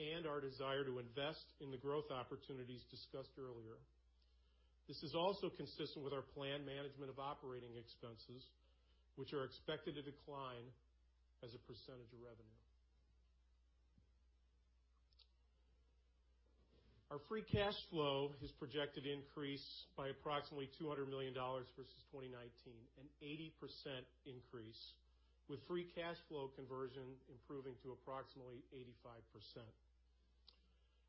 and our desire to invest in the growth opportunities discussed earlier. This is also consistent with our planned management of operating expenses, which are expected to decline as a percentage of revenue. Our free cash flow is projected to increase by approximately $200 million versus 2019, an 80% increase, with free cash flow conversion improving to approximately 85%.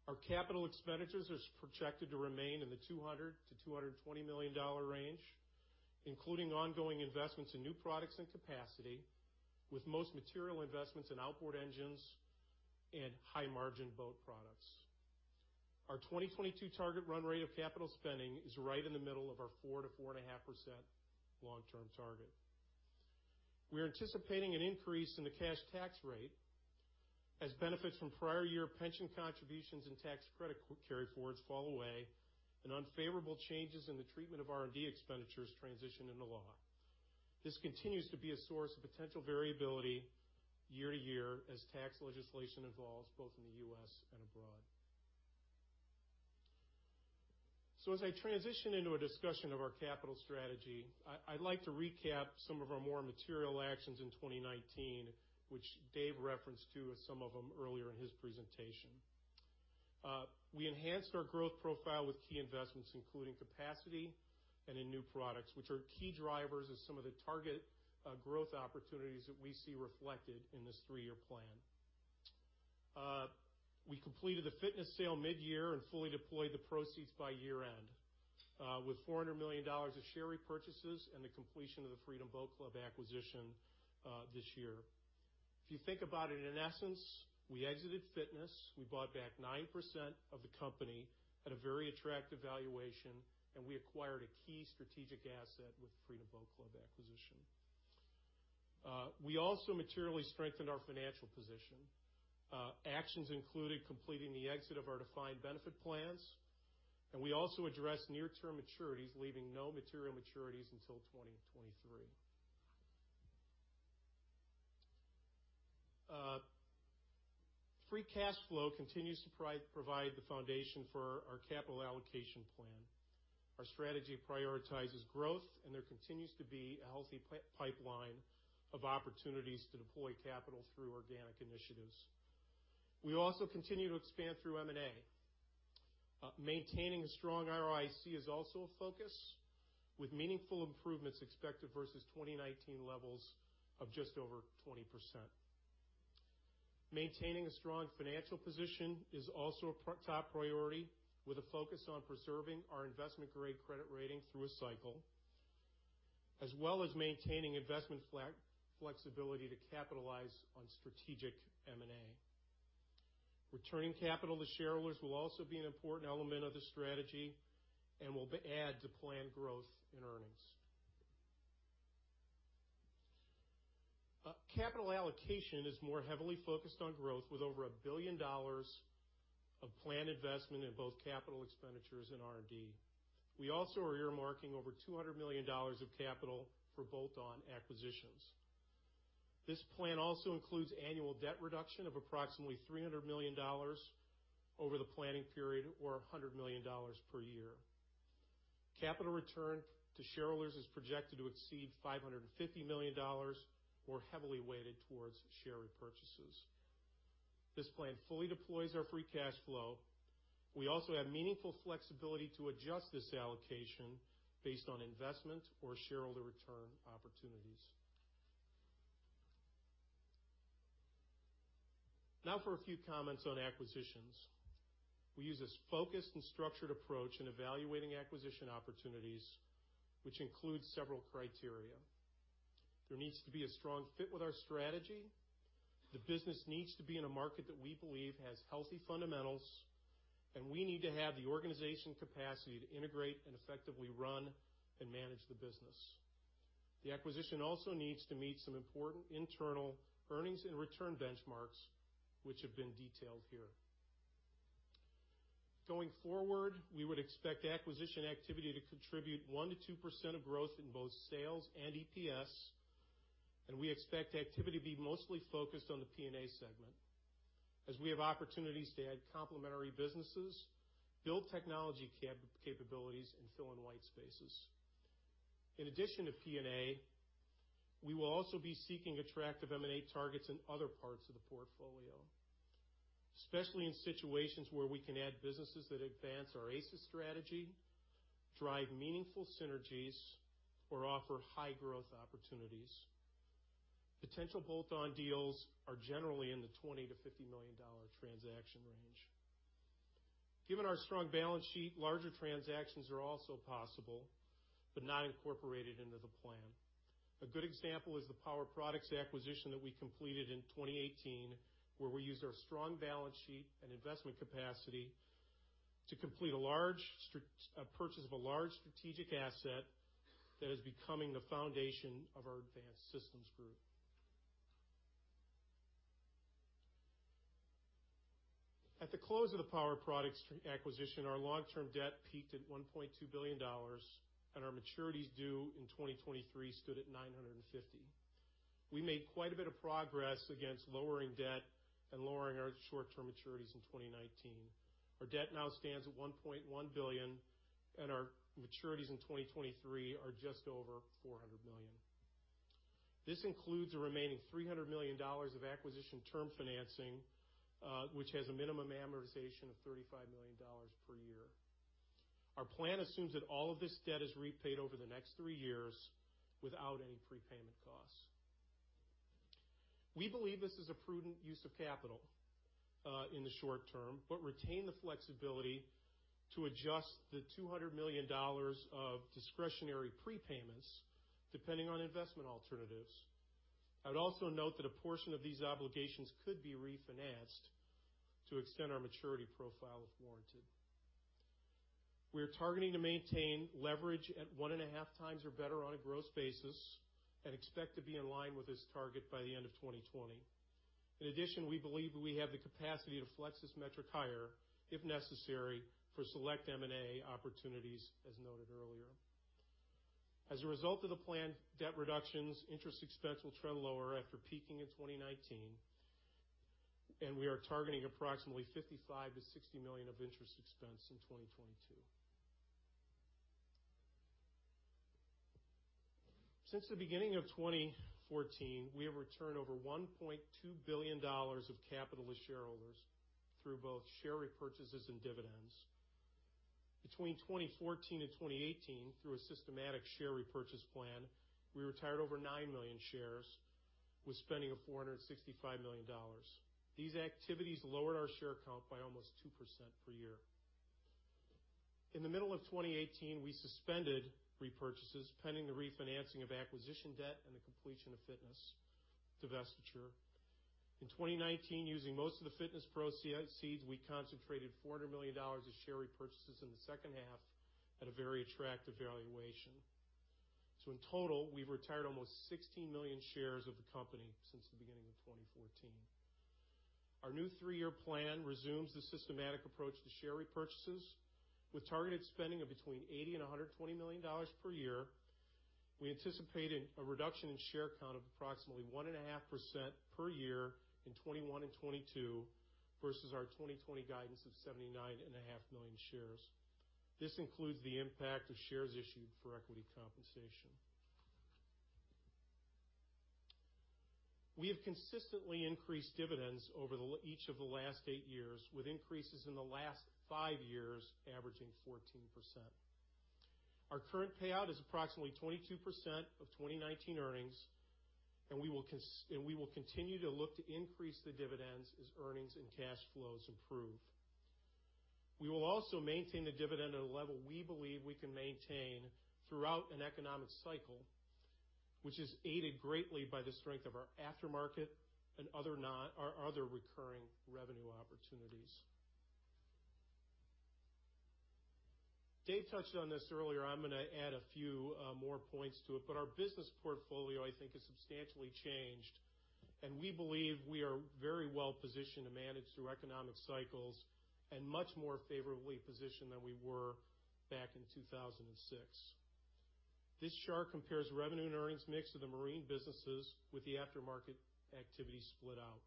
Our capital expenditures is projected to remain in the $200-$220 million range, including ongoing investments in new products and capacity, with most material investments in outboard engines and high-margin boat products. Our 2022 target run rate of capital spending is right in the middle of our 4%-4.5% long-term target. We are anticipating an increase in the cash tax rate as benefits from prior year pension contributions and tax credit carry forwards fall away, and unfavorable changes in the treatment of R&D expenditures transition into law. This continues to be a source of potential variability year to year as tax legislation evolves both in the U.S. and abroad. So as I transition into a discussion of our capital strategy, I, I'd like to recap some of our more material actions in 2019, which Dave referenced to some of them earlier in his presentation. We enhanced our growth profile with key investments, including capacity and in new products, which are key drivers of some of the target, growth opportunities that we see reflected in this three-year plan. We completed the fitness sale midyear and fully deployed the proceeds by year-end, with $400 million of share repurchases and the completion of the Freedom Boat Club acquisition, this year. If you think about it, in essence, we exited fitness, we bought back 9% of the company at a very attractive valuation, and we acquired a key strategic asset with the Freedom Boat Club acquisition. We also materially strengthened our financial position. Actions included completing the exit of our defined benefit plans, and we also addressed near-term maturities, leaving no material maturities until 2023. Free cash flow continues to provide the foundation for our capital allocation plan. Our strategy prioritizes growth, and there continues to be a healthy pipeline of opportunities to deploy capital through organic initiatives. We also continue to expand through M&A. Maintaining a strong ROIC is also a focus, with meaningful improvements expected versus 2019 levels of just over 20%. Maintaining a strong financial position is also a top priority, with a focus on preserving our investment-grade credit rating through a cycle, as well as maintaining investment flexibility to capitalize on strategic M&A. Returning capital to shareholders will also be an important element of the strategy and will add to planned growth in earnings. Capital allocation is more heavily focused on growth, with over $1 billion of planned investment in both capital expenditures and R&D. We also are earmarking over $200 million of capital for bolt-on acquisitions. This plan also includes annual debt reduction of approximately $300 million over the planning period, or $100 million per year. Capital return to shareholders is projected to exceed $550 million, more heavily weighted towards share repurchases. This plan fully deploys our free cash flow. We also have meaningful flexibility to adjust this allocation based on investment or shareholder return opportunities. Now for a few comments on acquisitions. We use this focused and structured approach in evaluating acquisition opportunities, which includes several criteria. There needs to be a strong fit with our strategy. The business needs to be in a market that we believe has healthy fundamentals, and we need to have the organizational capacity to integrate and effectively run and manage the business. The acquisition also needs to meet some important internal earnings and return benchmarks, which have been detailed here. Going forward, we would expect acquisition activity to contribute 1%-2% of growth in both sales and EPS, and we expect activity to be mostly focused on the P&A segment as we have opportunities to add complementary businesses, build technology capabilities, and fill in white spaces. In addition to P&A, we will also be seeking attractive M&A targets in other parts of the portfolio, especially in situations where we can add businesses that advance our ACES strategy, drive meaningful synergies, or offer high growth opportunities. Potential bolt-on deals are generally in the $20 million-$50 million transaction range. Given our strong balance sheet, larger transactions are also possible, but not incorporated into the plan. A good example is the Power Products acquisition that we completed in 2018, where we used our strong balance sheet and investment capacity to complete a purchase of a large strategic asset that is becoming the foundation of our Advanced Systems Group. At the close of the Power Products acquisition, our long-term debt peaked at $1.2 billion, and our maturities due in 2023 stood at $950 million. We made quite a bit of progress against lowering debt and lowering our short-term maturities in 2019. Our debt now stands at $1.1 billion, and our maturities in 2023 are just over $400 million. This includes a remaining $300 million of acquisition term financing, which has a minimum amortization of $35 million per year. Our plan assumes that all of this debt is repaid over the next 3 years without any prepayment costs. We believe this is a prudent use of capital, in the short term, but retain the flexibility to adjust the $200 million of discretionary prepayments depending on investment alternatives. I would also note that a portion of these obligations could be refinanced to extend our maturity profile if warranted. We are targeting to maintain leverage at 1.5x or better on a gross basis, and expect to be in line with this target by the end of 2020. In addition, we believe that we have the capacity to flex this metric higher, if necessary, for select M&A opportunities, as noted earlier. As a result of the planned debt reductions, interest expense will trend lower after peaking in 2019, and we are targeting approximately $55 million-$60 million of interest expense in 2022. Since the beginning of 2014, we have returned over $1.2 billion of capital to shareholders through both share repurchases and dividends. Between 2014 and 2018, through a systematic share repurchase plan, we retired over 9 million shares with spending of $465 million. These activities lowered our share count by almost 2% per year. In the middle of 2018, we suspended repurchases, pending the refinancing of acquisition debt and the completion of Fitness divestiture. In 2019, using most of the Fitness proceeds, we concentrated $400 million of share repurchases in the second half at a very attractive valuation. So in total, we've retired almost 16 million shares of the company since the beginning of 2014.... Our new three-year plan resumes the systematic approach to share repurchases, with targeted spending of between $80 million and $120 million per year. We anticipate a reduction in share count of approximately 1.5% per year in 2021 and 2022, versus our 2020 guidance of 79.5 million shares. This includes the impact of shares issued for equity compensation. We have consistently increased dividends over each of the last eight years, with increases in the last five years averaging 14%. Our current payout is approximately 22% of 2019 earnings, and we will continue to look to increase the dividends as earnings and cash flows improve. We will also maintain the dividend at a level we believe we can maintain throughout an economic cycle, which is aided greatly by the strength of our aftermarket and other non-- our other recurring revenue opportunities. Dave touched on this earlier, I'm gonna add a few, more points to it, but our business portfolio, I think, has substantially changed, and we believe we are very well positioned to manage through economic cycles and much more favorably positioned than we were back in 2006. This chart compares revenue and earnings mix of the marine businesses with the aftermarket activity split out.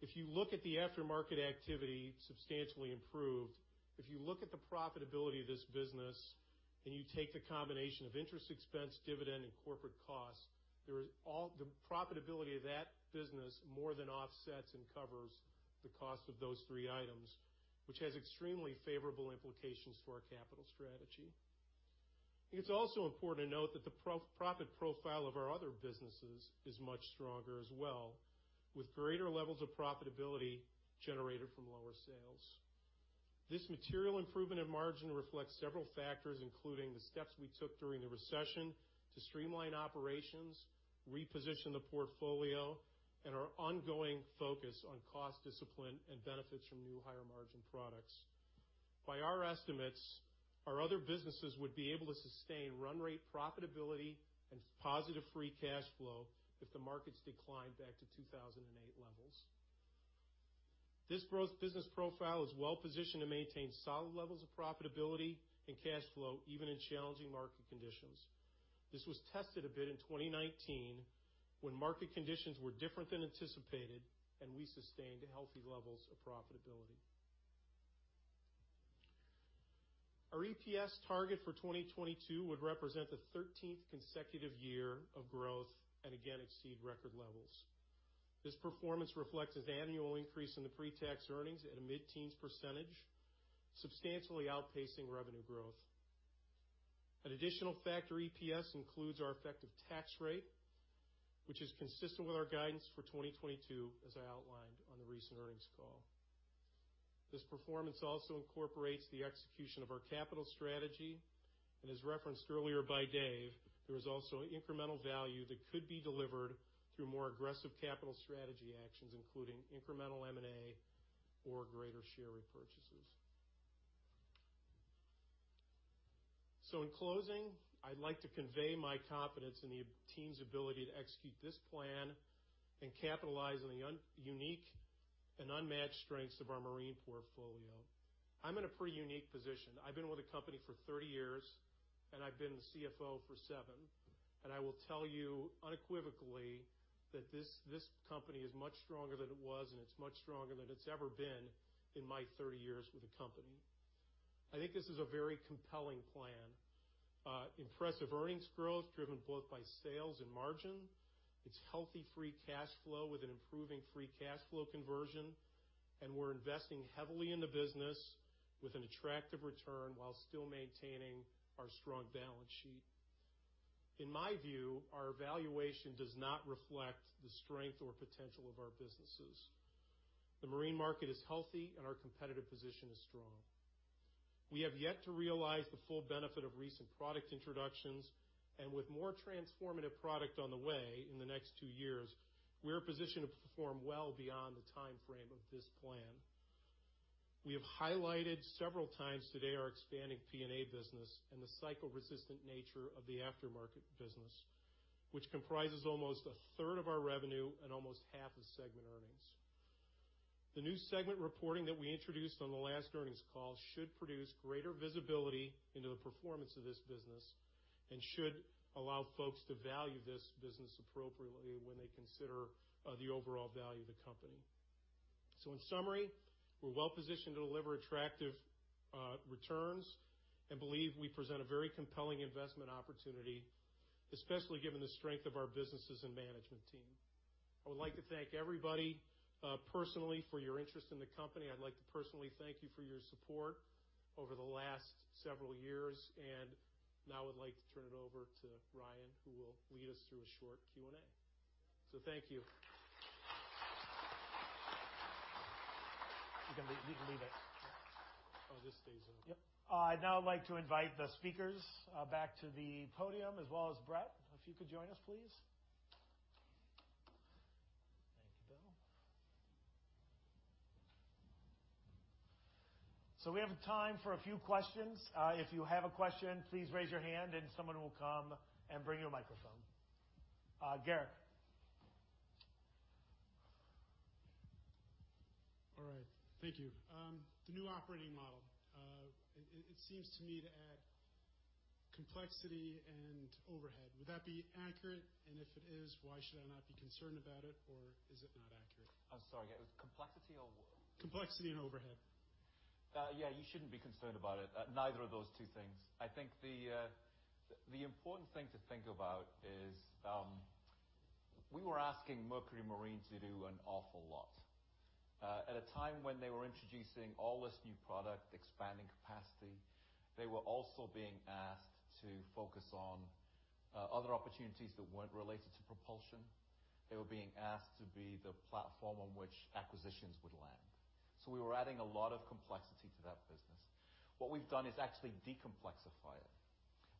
If you look at the aftermarket activity, substantially improved. If you look at the profitability of this business and you take the combination of interest expense, dividend, and corporate costs, the profitability of that business more than offsets and covers the cost of those three items, which has extremely favorable implications for our capital strategy. It's also important to note that the profit profile of our other businesses is much stronger as well, with greater levels of profitability generated from lower sales. This material improvement in margin reflects several factors, including the steps we took during the recession to streamline operations, reposition the portfolio, and our ongoing focus on cost discipline and benefits from new, higher-margin products. By our estimates, our other businesses would be able to sustain run rate profitability and positive free cash flow if the markets declined back to 2008 levels. This growth business profile is well positioned to maintain solid levels of profitability and cash flow, even in challenging market conditions. This was tested a bit in 2019, when market conditions were different than anticipated, and we sustained healthy levels of profitability. Our EPS target for 2022 would represent the thirteenth consecutive year of growth and again exceed record levels. This performance reflects an annual increase in the pretax earnings at a mid-teens %, substantially outpacing revenue growth. An additional factor EPS includes our effective tax rate, which is consistent with our guidance for 2022, as I outlined on the recent earnings call. This performance also incorporates the execution of our capital strategy, and as referenced earlier by Dave, there is also incremental value that could be delivered through more aggressive capital strategy actions, including incremental M&A or greater share repurchases. So in closing, I'd like to convey my confidence in the team's ability to execute this plan and capitalize on the unique and unmatched strengths of our marine portfolio. I'm in a pretty unique position. I've been with the company for 30 years, and I've been the CFO for seven, and I will tell you unequivocally that this, this company is much stronger than it was, and it's much stronger than it's ever been in my 30 years with the company. I think this is a very compelling plan. Impressive earnings growth, driven both by sales and margin. It's healthy free cash flow with an improving free cash flow conversion, and we're investing heavily in the business with an attractive return, while still maintaining our strong balance sheet. In my view, our valuation does not reflect the strength or potential of our businesses. The marine market is healthy, and our competitive position is strong. We have yet to realize the full benefit of recent product introductions, and with more transformative product on the way in the next two years, we are positioned to perform well beyond the time frame of this plan. We have highlighted several times today our expanding P&A business and the cycle-resistant nature of the aftermarket business, which comprises almost a third of our revenue and almost half the segment earnings. The new segment reporting that we introduced on the last earnings call should produce greater visibility into the performance of this business and should allow folks to value this business appropriately when they consider the overall value of the company. So in summary, we're well positioned to deliver attractive returns and believe we present a very compelling investment opportunity, especially given the strength of our businesses and management team. I would like to thank everybody personally for your interest in the company. I'd like to personally thank you for your support over the last several years, and now I would like to turn it over to Ryan, who will lead us through a short Q&A. So thank you. You can leave, you can leave it. Oh, this stays on. Yep. I'd now like to invite the speakers back to the podium as well as Brett, if you could join us, please. Thank you, Bill. ...We have time for a few questions. If you have a question, please raise your hand, and someone will come and bring you a microphone. Garrick? All right. Thank you. The new operating model, it seems to me to add complexity and overhead. Would that be accurate? And if it is, why should I not be concerned about it, or is it not accurate? I'm sorry, it was complexity or- Complexity and overhead. Yeah, you shouldn't be concerned about it, neither of those two things. I think the important thing to think about is we were asking Mercury Marine to do an awful lot. At a time when they were introducing all this new product, expanding capacity, they were also being asked to focus on other opportunities that weren't related to propulsion. They were being asked to be the platform on which acquisitions would land. So we were adding a lot of complexity to that business. What we've done is actually decomplexify it.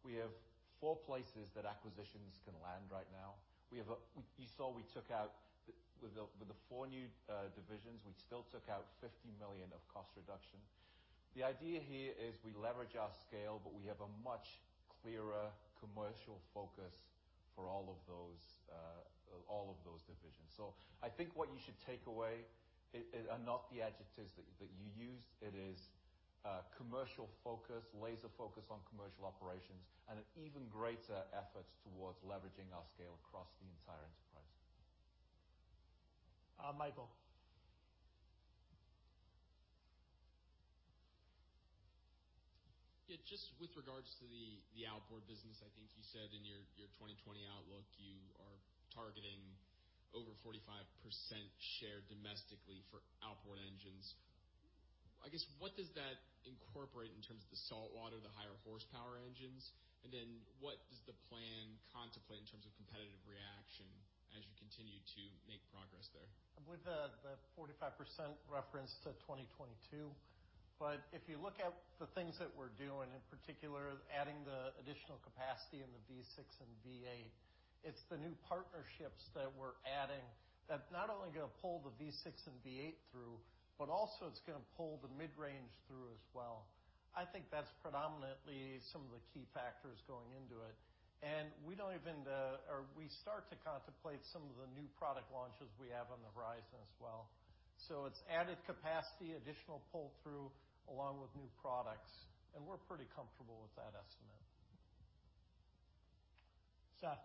We have four places that acquisitions can land right now. We have a-- we, you saw we took out the, with the, with the four new divisions, we still took out $50 million of cost reduction. The idea here is we leverage our scale, but we have a much clearer commercial focus for all of those divisions. So I think what you should take away are not the adjectives that you used. It is commercial focus, laser focus on commercial operations, and an even greater effort towards leveraging our scale across the entire enterprise. Uh, Michael? Yeah, just with regards to the, the outboard business, I think you said in your, your 2020 outlook, you are targeting over 45% share domestically for outboard engines. I guess, what does that incorporate in terms of the saltwater, the higher horsepower engines? And then, what does the plan contemplate in terms of competitive reaction as you continue to make progress there? With the 45% reference to 2022, but if you look at the things that we're doing, in particular, adding the additional capacity in the V6 and V8, it's the new partnerships that we're adding that not only are gonna pull the V6 and V8 through, but also it's gonna pull the mid-range through as well. I think that's predominantly some of the key factors going into it, and we don't even, or we start to contemplate some of the new product launches we have on the horizon as well. So it's added capacity, additional pull-through, along with new products, and we're pretty comfortable with that estimate. Seth?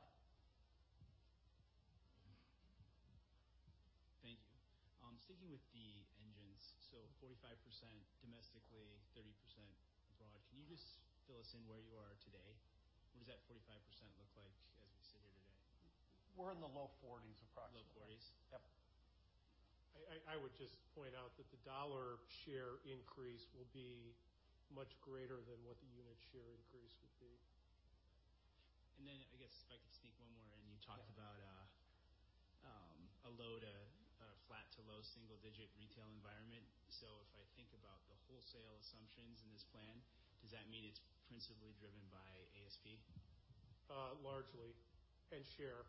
Thank you. Sticking with the engines, so 45% domestically, 30% abroad. Can you just fill us in where you are today? What does that 45% look like as we sit here today? We're in the low 40s, approximately. Low forties? Yep. I would just point out that the dollar share increase will be much greater than what the unit share increase would be. And then, I guess, if I could sneak one more in. Yeah. You talked about a flat to low single-digit retail environment. So if I think about the wholesale assumptions in this plan, does that mean it's principally driven by ASP? Largely, and share.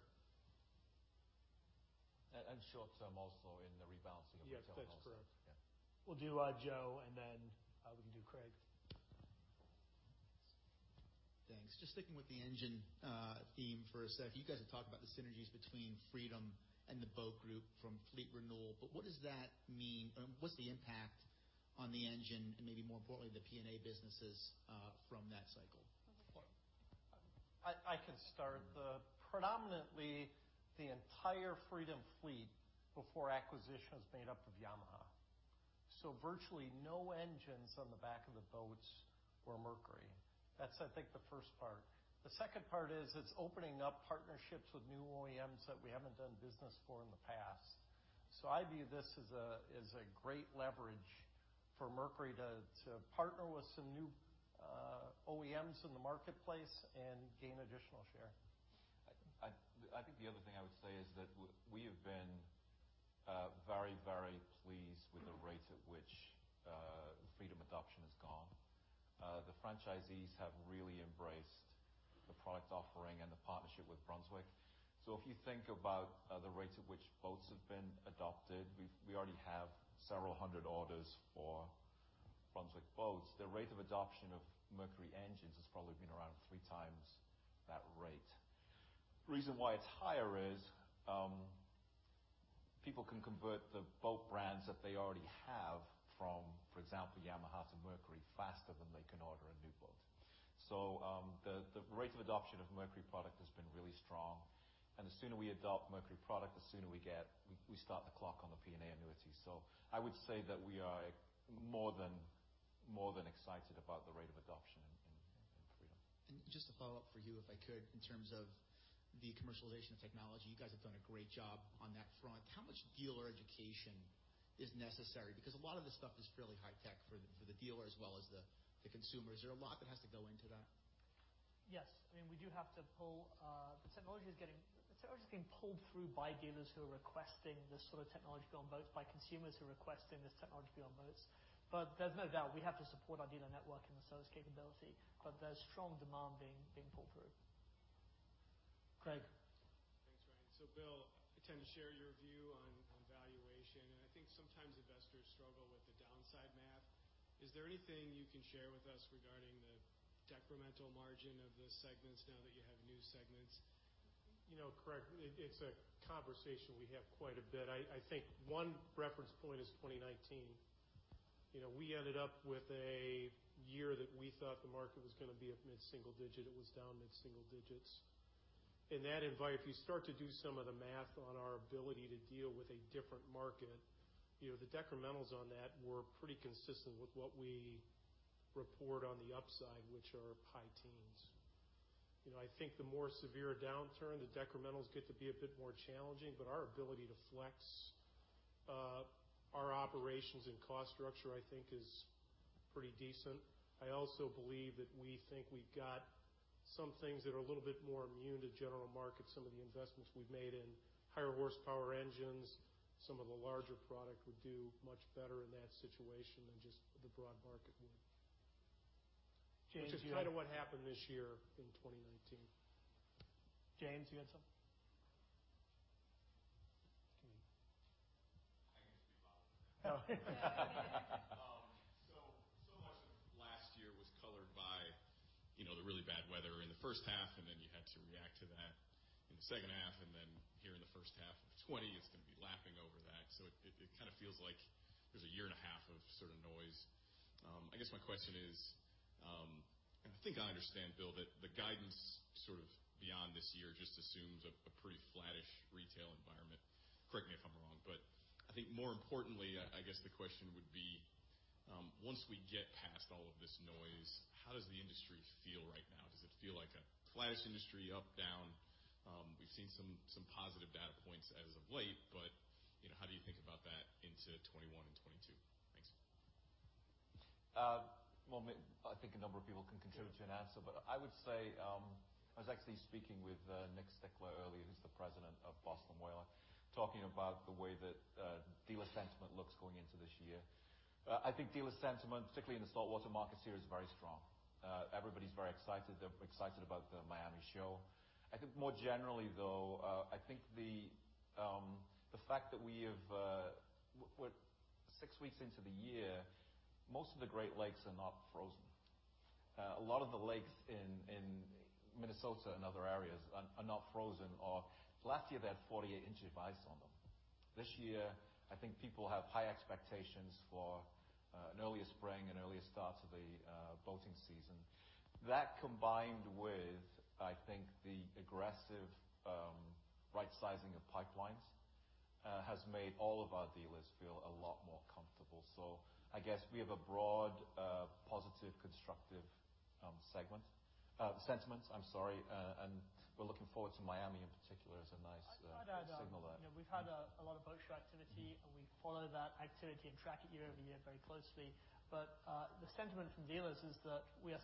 Short term also in the rebalancing of retail. Yes, that's correct. Yeah. We'll do Joe, and then we can do Craig. Thanks. Just sticking with the engine theme for a second. You guys have talked about the synergies between Freedom and the Boat Group from fleet renewal, but what does that mean? What's the impact on the engine and maybe more importantly, the P&A businesses, from that cycle? I can start. Predominantly, the entire Freedom fleet before acquisition was made up of Yamaha. So virtually, no engines on the back of the boats were Mercury. That's, I think, the first part. The second part is, it's opening up partnerships with new OEMs that we haven't done business for in the past. So I view this as a great leverage for Mercury to partner with some new OEMs in the marketplace and gain additional share. I think the other thing I would say is that we have been very, very pleased with the rate at which Freedom adoption has gone. The franchisees have really embraced the product offering and the partnership with Brunswick. So if you think about the rate at which boats have been adopted, we already have several hundred orders for Brunswick boats. The rate of adoption of Mercury engines has probably been around three times that rate. The reason why it's higher is people can convert the boat brands that they already have from, for example, Yamaha to Mercury, faster than they can order a new boat. So the rate of adoption of Mercury product has been really strong, and the sooner we adopt Mercury product, the sooner we get we start the clock on the P&A annuity. So I would say that we are more than excited about the rate of adoption in Freedom. And just a follow-up for you, if I could, in terms of the commercialization of technology. You guys have done a great job on that front. How much dealer education is necessary? Because a lot of this stuff is fairly high tech for the dealer as well as the consumers. Is there a lot that has to go into that? Yes. I mean, the technology is getting pulled through by dealers who are requesting this sort of technology on boats, by consumers who are requesting this technology on boats. But there's no doubt we have to support our dealer network and the sales capability, but there's strong demand being pulled through.... Craig? Thanks, Ryan. So Bill, I tend to share your view on valuation, and I think sometimes investors struggle with the downside math. Is there anything you can share with us regarding the decremental margin of the segments now that you have new segments? You know, Craig, it's a conversation we have quite a bit. I think one reference point is 2019. You know, we ended up with a year that we thought the market was gonna be at mid-single digit. It was down mid-single digits. And in 2019, if you start to do some of the math on our ability to deal with a different market, you know, the decrementals on that were pretty consistent with what we report on the upside, which are high teens. You know, I think the more severe downturn, the decrementals get to be a bit more challenging, but our ability to flex our operations and cost structure, I think is pretty decent. I also believe that we think we've got some things that are a little bit more immune to general market. Some of the investments we've made in higher horsepower engines, some of the larger product would do much better in that situation than just the broad market would. James, you have- Which is kind of what happened this year in 2019. James, you had something? I can just be involved. So, so much of last year was colored by, you know, the really bad weather in the first half, and then you had to react to that in the second half, and then here in the first half of 2020, it's gonna be lapping over that. So it kind of feels like there's a year and a half of sort of noise. I guess my question is, and I think I understand, Bill, that the guidance sort of beyond this year just assumes a pretty flattish retail environment. Correct me if I'm wrong, but I think more importantly, I guess the question would be, once we get past all of this noise, how does the industry feel right now? Does it feel like a flattish industry, up, down? We've seen some positive data points as of late, but, you know, how do you think about that into 2021 and 2022? Thanks. Well, I think a number of people can contribute to an answer, but I would say I was actually speaking with Nick Stickler earlier, who's the president of Boston Whaler, talking about the way that dealer sentiment looks going into this year. I think dealer sentiment, particularly in the saltwater markets here, is very strong. Everybody's very excited. They're excited about the Miami show. I think more generally, though, I think the fact that we have... We're six weeks into the year, most of the Great Lakes are not frozen. A lot of the lakes in Minnesota and other areas are not frozen, or last year they had 48 inches of ice on them. This year, I think people have high expectations for an earlier spring and earlier start to the boating season. That, combined with, I think, the aggressive, right sizing of pipelines, has made all of our dealers feel a lot more comfortable. So I guess we have a broad, positive, constructive, segment, sentiment, I'm sorry, and we're looking forward to Miami in particular as a nice, signal there. I'd add, you know, we've had a lot of boat show activity, and we follow that activity and track it year-over-year very closely. But, the sentiment from dealers is that we are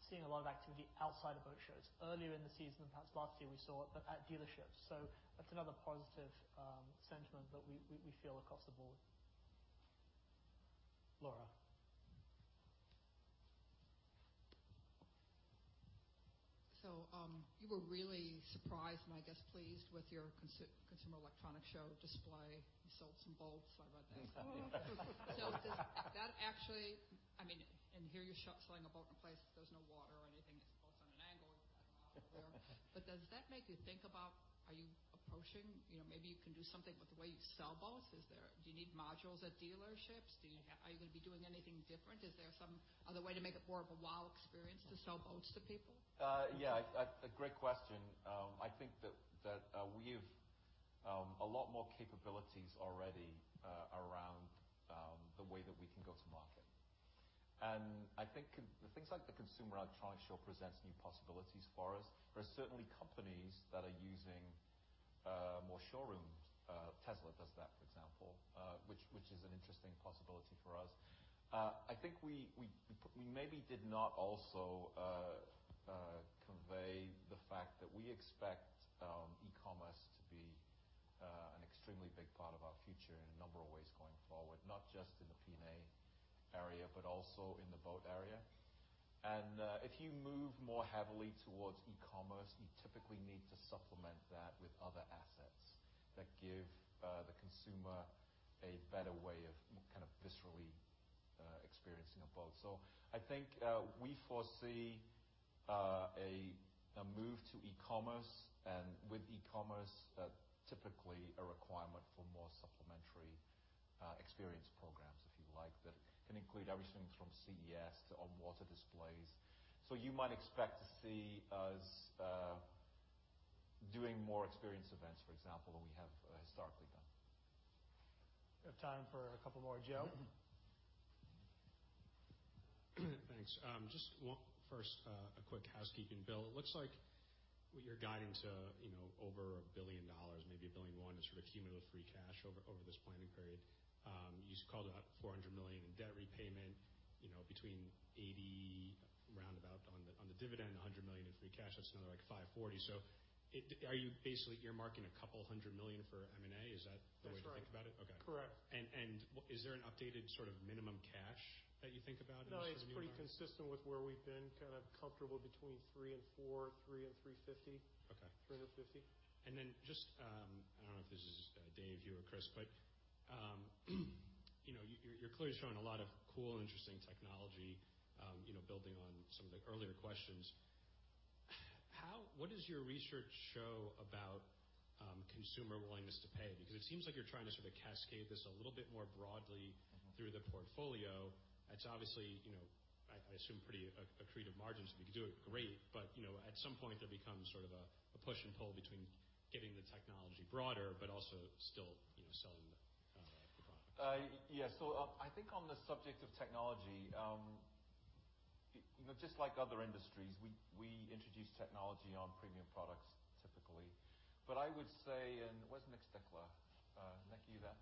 seeing a lot of activity outside of boat shows. Earlier in the season, and perhaps last year, we saw it, but at dealerships, so that's another positive sentiment that we feel across the board. Laura. So, you were really surprised and I guess, pleased, with your Consumer Electronics Show display. You sold some boats. I read that. So does that actually... I mean, and here you're selling a boat in a place there's no water or anything. It's boats on an angle over there. But does that make you think about, are you approaching, you know, maybe you can do something with the way you sell boats? Is there-- Do you need modules at dealerships? Do you have-- Are you gonna be doing anything different? Is there some other way to make it more of a wow experience to sell boats to people? Yeah, a great question. I think that we've a lot more capabilities already around the way that we can go to market. And I think the things like the Consumer Electronics Show presents new possibilities for us. There are certainly companies that are using more showrooms. Tesla does that, for example, which is an interesting possibility for us. I think we maybe did not also convey the fact that we expect e-commerce to be an extremely big part of our future in a number of ways going forward, not just in the P&A area, but also in the boat area. If you move more heavily toward e-commerce, you typically need to supplement that with other assets that give the consumer a better way of kind of viscerally experiencing a boat. So I think we foresee a move to e-commerce, and with e-commerce, typically a requirement for more supplementary experience programs, if you like, that can include everything from CES to on-water displays. So you might expect to see us doing more experience events, for example, than we have historically done. We have time for a couple more. Joe? Thanks. Just one. First, a quick housekeeping. Bill, it looks like with your guiding to, you know, over $1 billion, maybe $1 billion and $1 million, in sort of cumulative free cash over this planning period. You just called out $400 million in debt repayment, you know, between $80 million roundabout on the dividend, $100 million in free cash. That's another like $540 million. So, are you basically earmarking a couple hundred million for M&A? Is that the way to think about it? That's right. Okay. Correct. Is there an updated sort of minimum cash that you think about in this new market? No, it's pretty consistent with where we've been, kind of comfortable between 3 and 4, 3 and 3.50. Okay. 350. And then just, I don't know if this is Dave, you or Chris, but, you know, you're clearly showing a lot of cool and interesting technology. You know, building on some of the earlier questions, how—what does your research show about consumer willingness to pay? Because it seems like you're trying to sort of cascade this a little bit more broadly- Mm-hmm. through the portfolio. It's obviously, you know, I assume, pretty accretive margins. If you could do it, great, but, you know, at some point, it becomes sort of a push and pull between getting the technology broader but also still, you know, selling the products. Yeah. So I think on the subject of technology, you know, just like other industries, we introduce technology on premium products typically. But I would say... Where's Nick Stickler? Nick, are you there?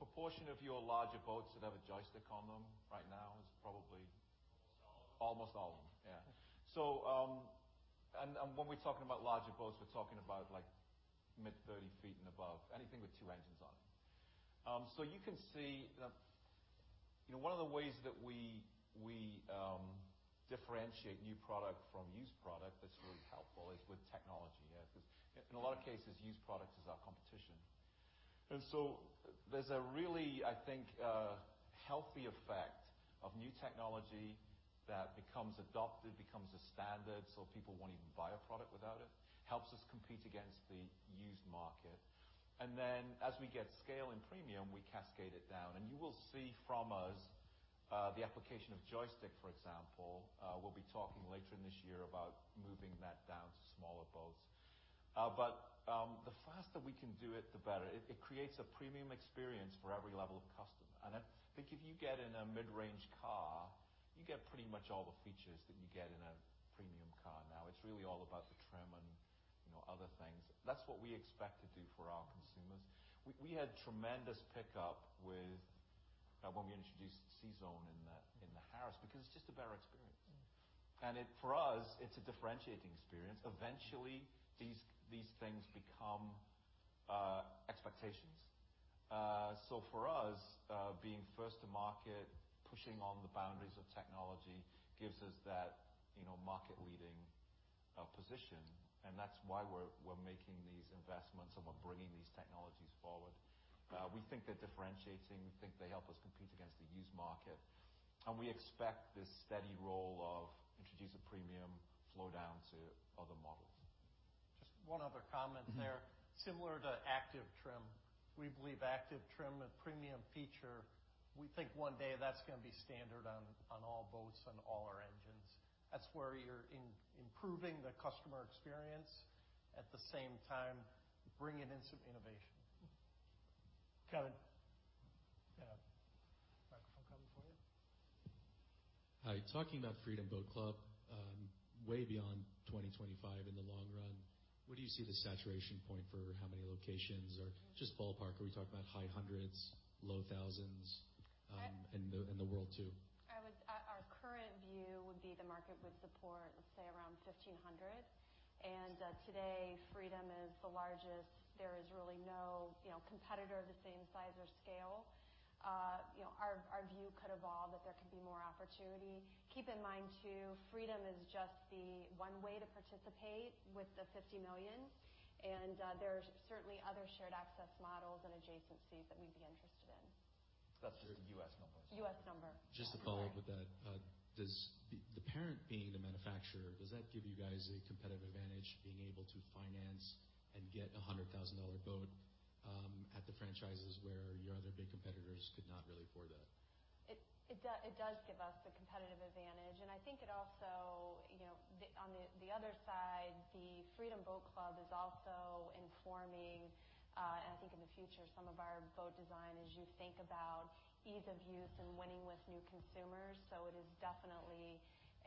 Proportion of your larger boats that have a joystick on them right now is probably- Almost all of them. Almost all of them. Yeah. So, when we're talking about larger boats, we're talking about, like, mid-30 feet and above, anything with 2 engines on it. So you can see that, you know, one of the ways that we differentiate new product from used product that's really helpful is with technology. Yes, because in a lot of cases, used products is our competition. And so there's a really, I think, healthy effect of new technology that becomes adopted, becomes a standard, so people won't even buy a product without it, helps us compete against the used market. And then, as we get scale and premium, we cascade it down, and you will see from us the application of joystick, for example. We'll be talking later in this year about moving that down to smaller boats. The faster we can do it, the better. It creates a premium experience for every level of customer. I think if you get in a mid-range car, you get pretty much all the features that you get in a premium car now. It's really all about the trim and, you know, other things. That's what we expect to do for our consumers. We had tremendous pickup with when we introduced CZone in the Harris, because it's just a better experience. Mm. And it for us it's a differentiating experience. Eventually, these things become expectations. So for us, being first to market, pushing on the boundaries of technology, gives us that, you know, market-leading position, and that's why we're making these investments, and we're bringing these technologies forward. We think they're differentiating. We think they help us compete against the used market, and we expect this steady roll of introduce a premium, flow down to other models. Just one other comment there. Mm-hmm. Similar to Active Trim, we believe Active Trim, a premium feature, we think one day that's going to be standard on all boats and all our engines. That's where you're improving the customer experience, at the same time, bringing in some innovation. Kevin? Yeah. Microphone coming for you. Hi. Talking about Freedom Boat Club, way beyond 2025 in the long run, where do you see the saturation point for how many locations? Or just ballpark, are we talking about high hundreds, low thousands, in the world, too? Our, our current view would be the market would support, let's say, around 1,500. And today, Freedom is the largest. There is really no, you know, competitor the same size or scale. You know, our, our view could evolve that there could be more opportunity. Keep in mind, too, Freedom is just the one way to participate with the 50 million, and there are certainly other shared access models and adjacencies that we'd be interested in. That's just the US number? U.S. number. Yeah. Just to follow up with that, does the parent being the manufacturer, does that give you guys a competitive advantage, being able to finance and get a $100,000 boat at the franchises where your other big competitors could not really afford that? It does give us a competitive advantage, and I think it also, you know, on the other side, the Freedom Boat Club is also informing and I think in the future, some of our boat design, as you think about ease of use and winning with new consumers. So it is definitely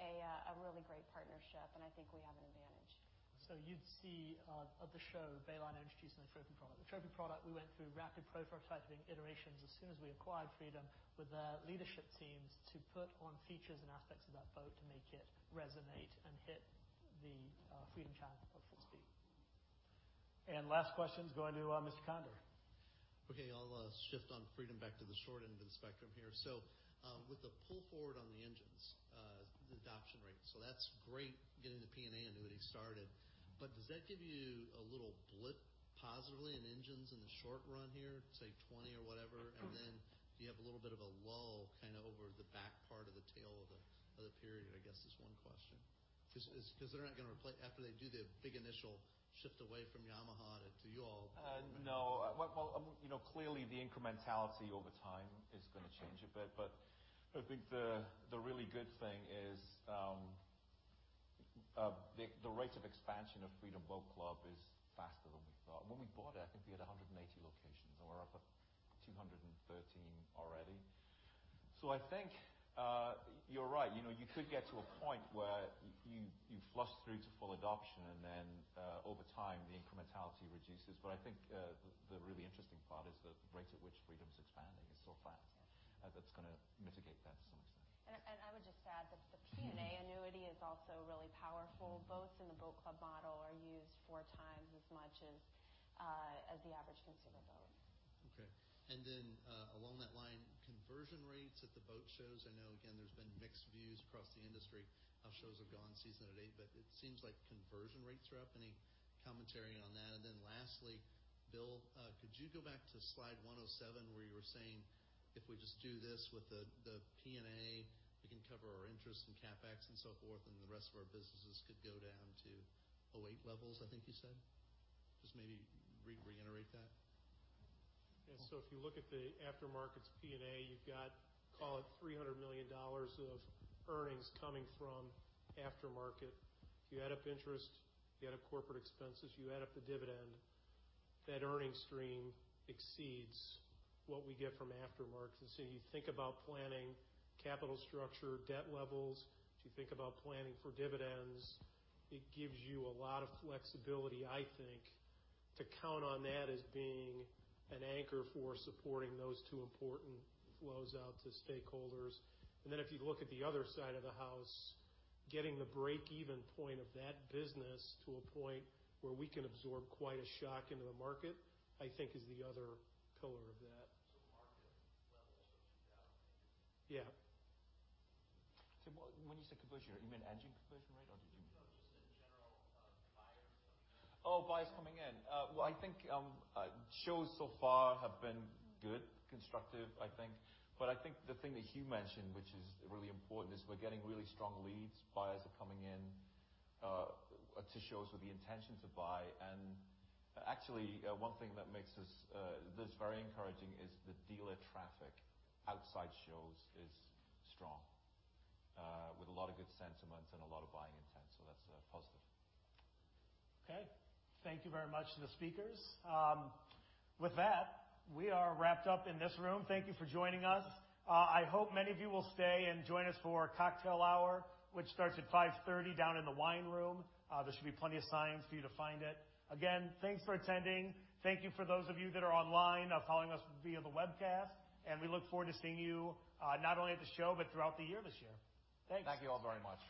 a really great partnership, and I think we have an advantage. So you'd see at the show, Bayliner introducing the Trophy product. The Trophy product, we went through rapid prototyping iterations as soon as we acquired Freedom with their leadership teams to put on features and aspects of that boat to make it resonate and hit the Freedom channel of full speed. Last question is going to Mr. Conder. Okay. I'll shift on Freedom back to the short end of the spectrum here. So, with the pull forward on the engines, the adoption rate, so that's great, getting the P&A annuity started. But does that give you a little blip positively in engines in the short run here, say, 20 or whatever? Mm-hmm. Then do you have a little bit of a lull kind of over the back part of the tail of the period, I guess, is one question. Just because they're not going to replace... After they do the big initial shift away from Yamaha to you all. No. Well, you know, clearly, the incrementality over time is going to change a bit. But I think the really good thing is the rate of expansion of Freedom Boat Club is faster than we thought. When we bought it, I think we had 180 locations, and we're up at 213 already. So I think, you're right. You know, you could get to a point where you flush through to full adoption, and then over time, the incrementality reduces. But I think the really interesting part is the rate at which Freedom's expanding is so fast. That's gonna mitigate that to some extent. I would just add that the P&A annuity is also really powerful. Boats in the Boat Club model are used 4 times as much as the average consumer boat. Okay. And then, along that line, conversion rates at the boat shows, I know again, there's been mixed views across the industry, how shows have gone season to date, but it seems like conversion rates are up. Any commentary on that? And then lastly, Bill, could you go back to slide 107, where you were saying, "If we just do this with the P&A, we can cover our interest and CapEx and so forth, and the rest of our businesses could go down to '08 levels," I think you said? Just maybe reiterate that. Yeah. So if you look at the aftermarket's P&A, you've got, call it $300 million of earnings coming from aftermarket. If you add up interest, you add up corporate expenses, you add up the dividend, that earning stream exceeds what we get from aftermarket. And so you think about planning, capital structure, debt levels. If you think about planning for dividends, it gives you a lot of flexibility, I think, to count on that as being an anchor for supporting those two important flows out to stakeholders. And then, if you look at the other side of the house, getting the break-even point of that business to a point where we can absorb quite a shock into the market, I think is the other pillar of that. So market levels are down? Yeah. So when you say conversion, you mean engine conversion rate, or did you mean- No, just in general, buyers coming in. Oh, buyers coming in. Well, I think shows so far have been good, constructive, I think. But I think the thing that Huw mentioned, which is really important, is we're getting really strong leads. Buyers are coming in to shows with the intention to buy. And actually, one thing that makes us, that's very encouraging is the dealer traffic. Outside shows is strong with a lot of good sentiment and a lot of buying intent. So that's positive. Okay. Thank you very much to the speakers. With that, we are wrapped up in this room. Thank you for joining us. I hope many of you will stay and join us for cocktail hour, which starts at 5:30 P.M. down in the wine room. There should be plenty of signs for you to find it. Again, thanks for attending. Thank you for those of you that are online, following us via the webcast, and we look forward to seeing you, not only at the show, but throughout the year this year. Thanks. Thank you all very much.